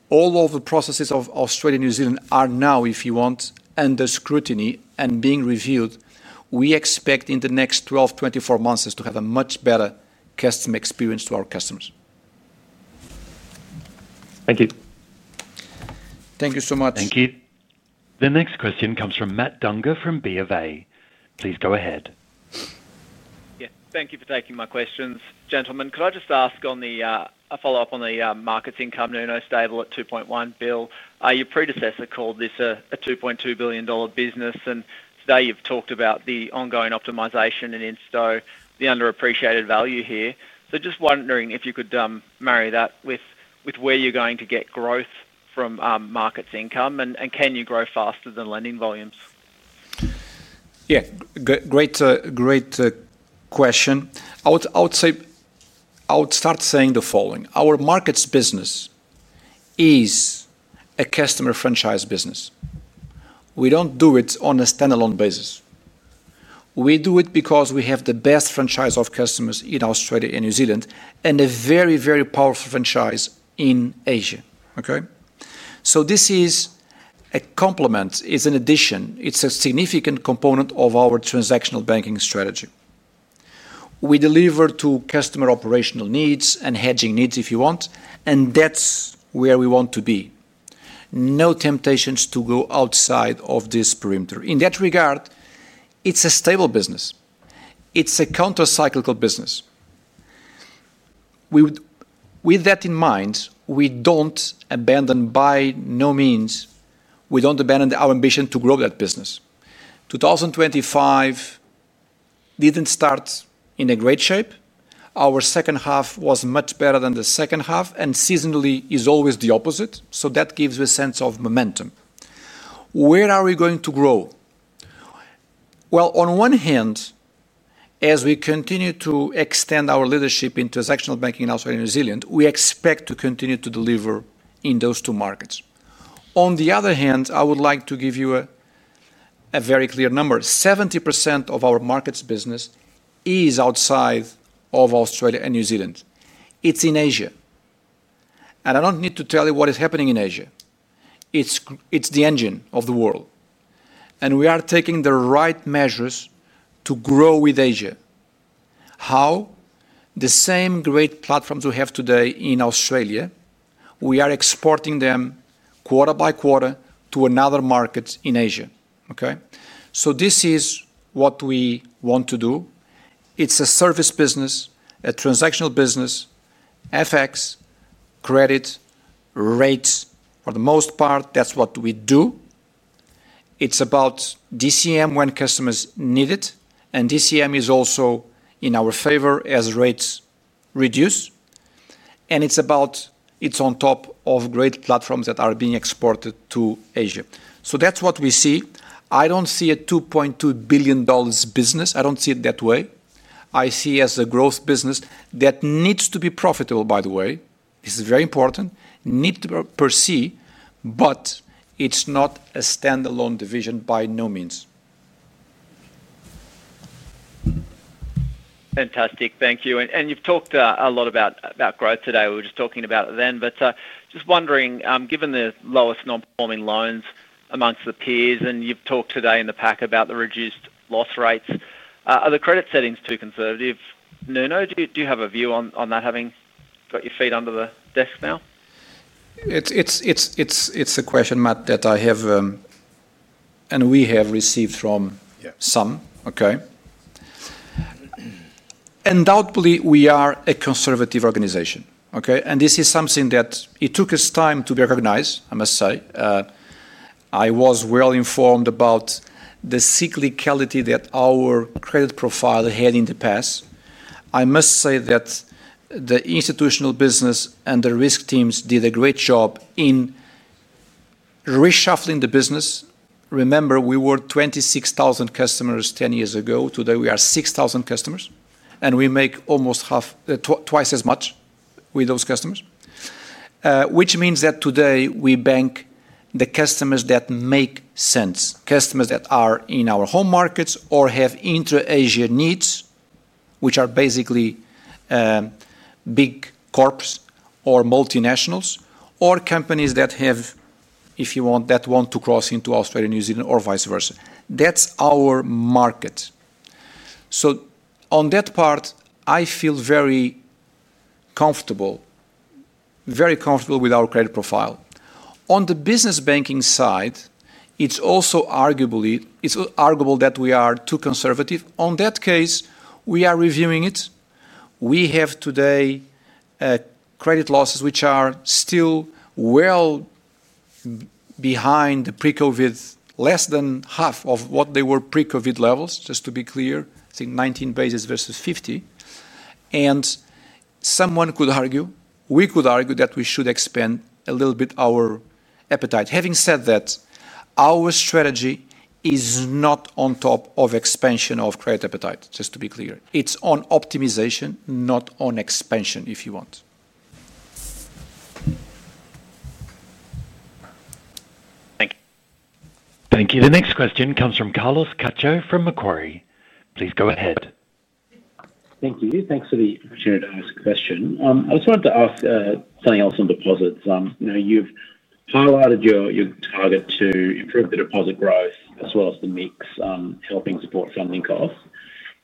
All of the processes of Australia and New Zealand are now, if you want, under scrutiny and being reviewed. We expect in the next 12-24 months to have a much better customer experience to our customers. Thank you. Thank you so much. Thank you. The next question comes from Matt Dunger from BofA. Please go ahead. Yeah. Thank you for taking my questions. Gentlemen, could I just ask on the follow-up on the markets income, Nuno, stable at 2.1 billion? Your predecessor called this a 2.2 billion dollar business, and today you've talked about the ongoing optimization and in-store, the underappreciated value here. Just wondering if you could marry that with where you're going to get growth from markets income and can you grow faster than lending volumes? Yeah. Great question. I would start saying the following. Our markets business is a customer franchise business. We don't do it on a standalone basis. We do it because we have the best franchise of customers in Australia and New Zealand and a very, very powerful franchise in Asia. Okay? This is a complement. It's an addition. It's a significant component of our transactional banking strategy. We deliver to customer operational needs and hedging needs, if you want, and that's where we want to be. No temptations to go outside of this perimeter. In that regard, it's a stable business. It's a counter-cyclical business. With that in mind, we don't abandon by no means. We don't abandon our ambition to grow that business. 2025 didn't start in a great shape. Our second half was much better than the first half, and seasonally is always the opposite. That gives you a sense of momentum. Where are we going to grow? On one hand, as we continue to extend our leadership in transactional banking in Australia and New Zealand, we expect to continue to deliver in those two markets. On the other hand, I would like to give you a very clear number. 70% of our markets business is outside of Australia and New Zealand. It's in Asia. I don't need to tell you what is happening in Asia. It's the engine of the world. We are taking the right measures to grow with Asia. How? The same great platforms we have today in Australia, we are exporting them quarter by quarter to another market in Asia. Okay? This is what we want to do. It's a service business, a transactional business, FX, credit, rates. For the most part, that's what we do. It's about DCM when customers need it. DCM is also in our favor as rates reduce. It's on top of great platforms that are being exported to Asia. That's what we see. I don't see a 2.2 billion dollars business. I don't see it that way. I see it as a growth business that needs to be profitable, by the way. This is very important. Need to perceive, but it's not a standalone division by no means. Fantastic. Thank you. You have talked a lot about growth today. We were just talking about it then. Just wondering, given the lowest non-performing loans amongst the peers, and you have talked today in the pack about the reduced loss rates, are the credit settings too conservative? Nuno, do you have a view on that having got your feet under the desk now? It's a question, Matt, that I have and we have received from some. Okay? Undoubtedly, we are a conservative organization. Okay? This is something that it took us time to be recognized, I must say. I was well informed about the cyclicality that our credit profile had in the past. I must say that the institutional business and the risk teams did a great job in reshuffling the business. Remember, we were 26,000 customers 10 years ago. Today, we are 6,000 customers, and we make almost twice as much with those customers, which means that today we bank the customers that make sense, customers that are in our home markets or have intra-Asia needs, which are basically big corps or multinationals or companies that, if you want, that want to cross into Australia and New Zealand or vice versa. That is our market. On that part, I feel very comfortable, very comfortable with our credit profile. On the business banking side, it is also arguable that we are too conservative. In that case, we are reviewing it. We have today credit losses, which are still well behind the pre-COVID, less than half of what they were pre-COVID levels, just to be clear, I think 19 basis points versus 50. Someone could argue, we could argue that we should expand a little bit our appetite. Having said that, our strategy is not on top of expansion of credit appetite, just to be clear. It is on optimization, not on expansion, if you want. Thank you. Thank you. The next question comes from Carlos Cacho from Macquarie. Please go ahead. Thank you. Thanks for the opportunity to ask a question. I just wanted to ask something else on deposits. You have highlighted your target to improve the deposit growth as well as the mix helping support funding costs.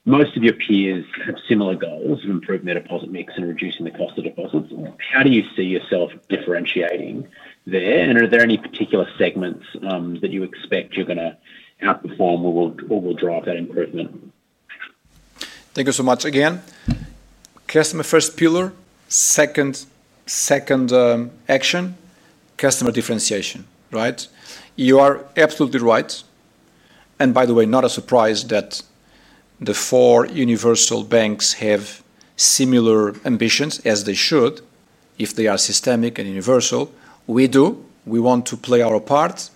Most of your peers have similar goals of improving their deposit mix and reducing the cost of deposits. How do you see yourself differentiating there? Are there any particular segments that you expect you are going to outperform or will drive that improvement? Thank you so much again. Customer first pillar, second action, customer differentiation. Right? You are absolutely right. By the way, not a surprise that the four universal banks have similar ambitions as they should if they are systemic and universal. We do. We want to play our part.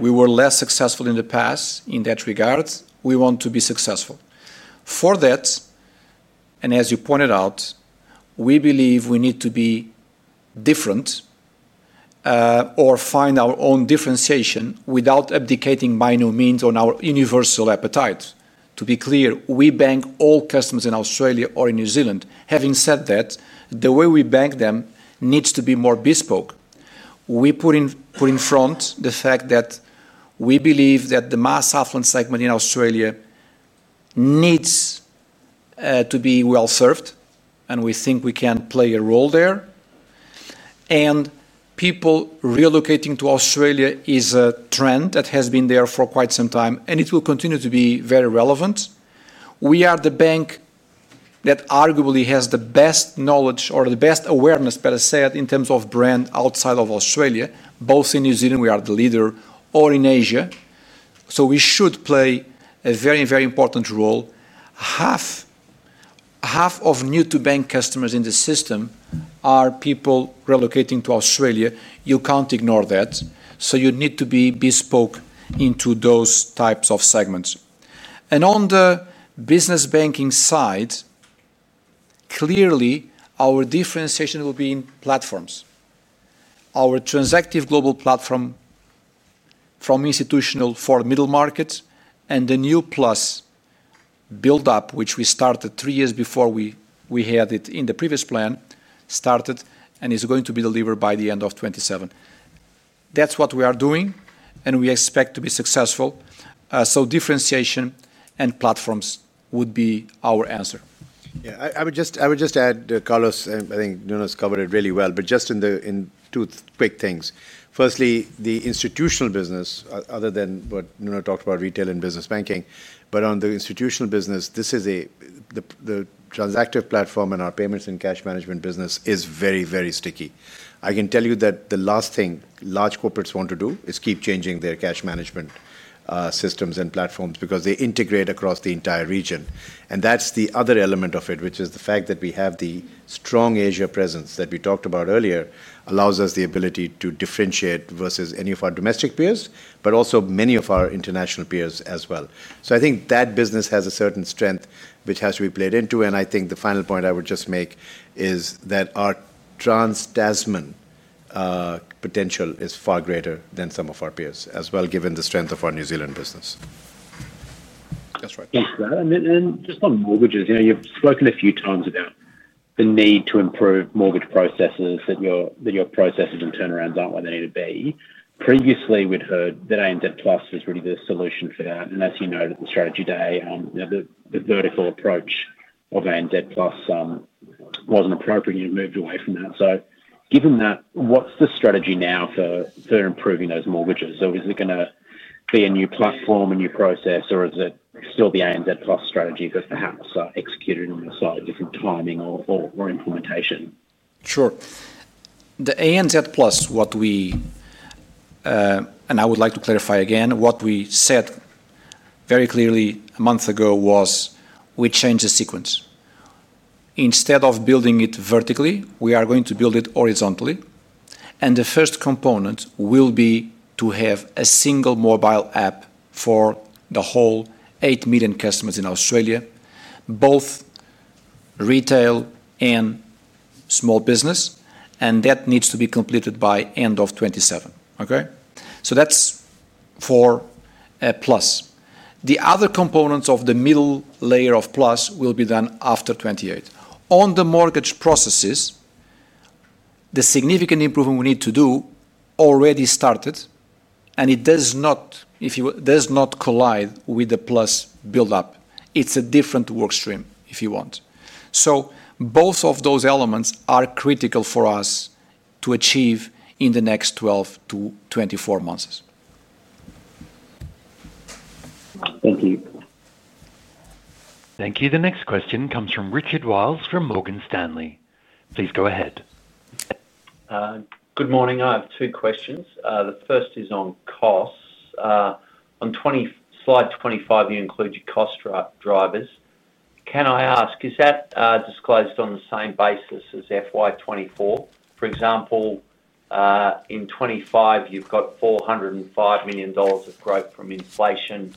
We were less successful in the past in that regard. We want to be successful. For that, and as you pointed out, we believe we need to be different or find our own differentiation without abdicating by no means on our universal appetite. To be clear, we bank all customers in Australia or in New Zealand. Having said that, the way we bank them needs to be more bespoke. We put in front the fact that we believe that the mass affluent segment in Australia needs to be well served, and we think we can play a role there. People relocating to Australia is a trend that has been there for quite some time, and it will continue to be very relevant. We are the bank that arguably has the best knowledge or the best awareness, better said, in terms of brand outside of Australia. Both in New Zealand, we are the leader, or in Asia. We should play a very, very important role. Half of new-to-bank customers in the system are people relocating to Australia. You can't ignore that. You need to be bespoke into those types of segments. On the business banking side, clearly, our differentiation will be in platforms. Our Transactive Global platform from institutional for middle markets and the new Plus build-up, which we started three years before we had it in the previous plan, started and is going to be delivered by the end of 2027. That's what we are doing, and we expect to be successful. Differentiation and platforms would be our answer. Yeah. I would just add, Carlos, I think Nuno's covered it really well, but just in two quick things. Firstly, the institutional business, other than what Nuno talked about, retail and business banking, but on the institutional business, this is the Transactive platform and our payments and cash management business is very, very sticky. I can tell you that the last thing large corporates want to do is keep changing their cash management systems and platforms because they integrate across the entire region. That is the other element of it, which is the fact that we have the strong Asia presence that we talked about earlier allows us the ability to differentiate versus any of our domestic peers, but also many of our international peers as well. I think that business has a certain strength which has to be played into. I think the final point I would just make is that our trans-Tasman potential is far greater than some of our peers as well, given the strength of our New Zealand business. That's right. Thanks for that. Just on mortgages, you've spoken a few times about the need to improve mortgage processes, that your processes and turnarounds aren't where they need to be. Previously, we'd heard that ANZ Plus was really the solution for that. As you noted at the Strategy Day, the vertical approach of ANZ Plus wasn't appropriate and you moved away from that. Given that, what's the strategy now for improving those mortgages? Is it going to be a new platform, a new process, or is it still the ANZ Plus strategy that is perhaps executed on a slightly different timing or implementation? Sure. The ANZ Plus, what we—and I would like to clarify again—what we said very clearly a month ago was we changed the sequence. Instead of building it vertically, we are going to build it horizontally. The first component will be to have a single mobile app for the whole eight million customers in Australia, both retail and small business, and that needs to be completed by the end of 2027. Okay? That is for Plus. The other components of the middle layer of Plus will be done after 2028. On the mortgage processes, the significant improvement we need to do already started, and it does not collide with the Plus build-up. It is a different workstream, if you want. Both of those elements are critical for us to achieve in the next 12-24 months. Thank you. Thank you. The next question comes from Richard Wiles from Morgan Stanley. Please go ahead. Good morning. I have two questions. The first is on costs. On slide 25, you include your cost drivers. Can I ask, is that disclosed on the same basis as FY 2024? For example, in 2025, you have 405 million dollars of growth from inflation.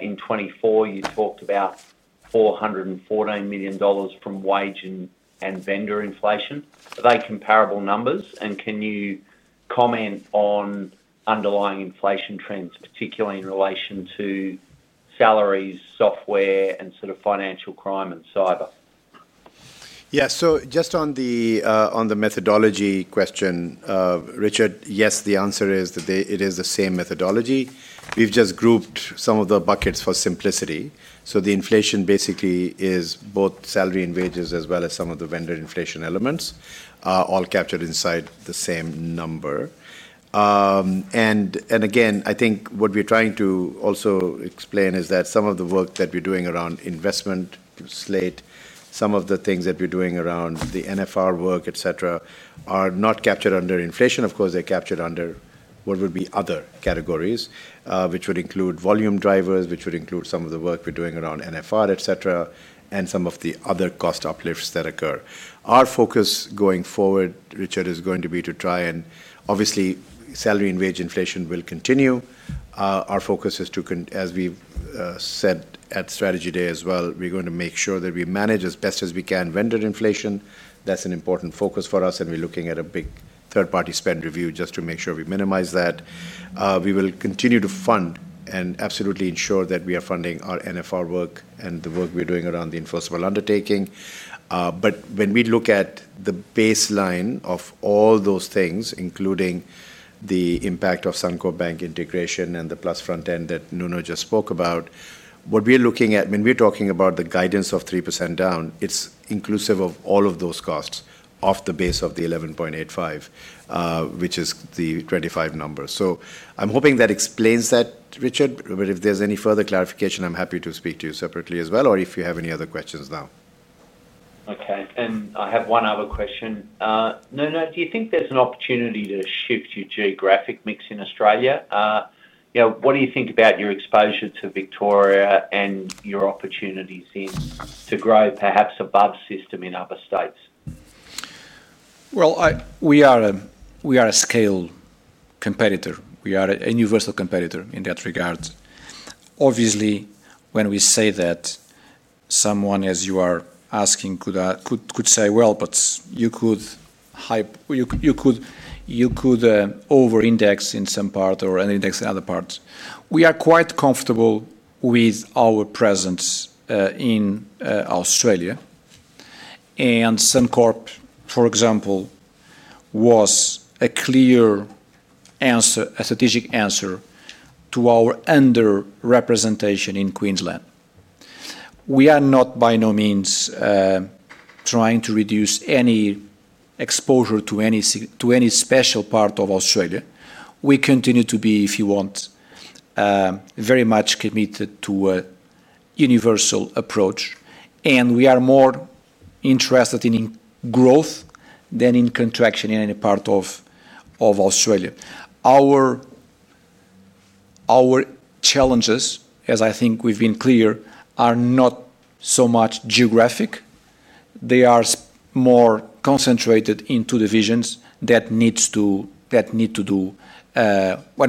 In 2024, you talked about 414 million dollars from wage and vendor inflation. Are they comparable numbers? Can you comment on underlying inflation trends, particularly in relation to salaries, software, and sort of financial crime and cyber? Yeah. Just on the methodology question, Richard, yes, the answer is that it is the same methodology. We have just grouped some of the buckets for simplicity. The inflation basically is both salary and wages as well as some of the vendor inflation elements, all captured inside the same number. Again, I think what we're trying to also explain is that some of the work that we're doing around investment slate, some of the things that we're doing around the NFR work, etc., are not captured under inflation. Of course, they're captured under what would be other categories, which would include volume drivers, which would include some of the work we're doing around NFR, etc., and some of the other cost uplifts that occur. Our focus going forward, Richard, is going to be to try and obviously, salary and wage inflation will continue. Our focus is to, as we said at Strategy Day as well, we're going to make sure that we manage as best as we can vendor inflation. That's an important focus for us, and we're looking at a big third-party spend review just to make sure we minimize that. We will continue to fund and absolutely ensure that we are funding our NFR work and the work we're doing around the enforceable undertaking. When we look at the baseline of all those things, including the impact of Suncorp Bank integration and the Plus front end that Nuno just spoke about, what we're looking at when we're talking about the guidance of 3% down, it's inclusive of all of those costs off the base of the 11.85, which is the 25 number. I'm hoping that explains that, Richard. If there's any further clarification, I'm happy to speak to you separately as well, or if you have any other questions now. Okay. I have one other question. Nuno, do you think there's an opportunity to shift your geographic mix in Australia? What do you think about your exposure to Victoria and your opportunities to grow perhaps above system in other states? We are a scale competitor. We are a universal competitor in that regard. Obviously, when we say that, someone, as you are asking, could say, "Well, but you could over-index in some part or under-index in other parts." We are quite comfortable with our presence in Australia. Suncorp, for example, was a clear strategic answer to our underrepresentation in Queensland. We are not by no means trying to reduce any exposure to any special part of Australia. We continue to be, if you want, very much committed to a universal approach. We are more interested in growth than in contraction in any part of Australia. Our challenges, as I think we've been clear, are not so much geographic. They are more concentrated into divisions that need to do what we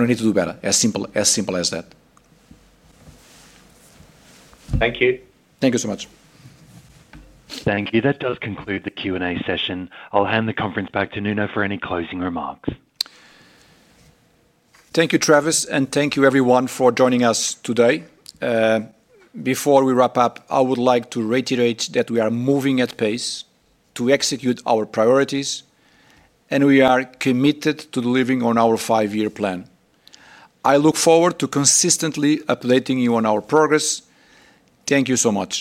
need to do better, as simple as that. Thank you. Thank you so much. Thank you. That does conclude the Q&A session. I'll hand the conference back to Nuno for any closing remarks. Thank you, Travis, and thank you, everyone, for joining us today. Before we wrap up, I would like to reiterate that we are moving at pace to execute our priorities, and we are committed to delivering on our five-year plan. I look forward to consistently updating you on our progress. Thank you so much.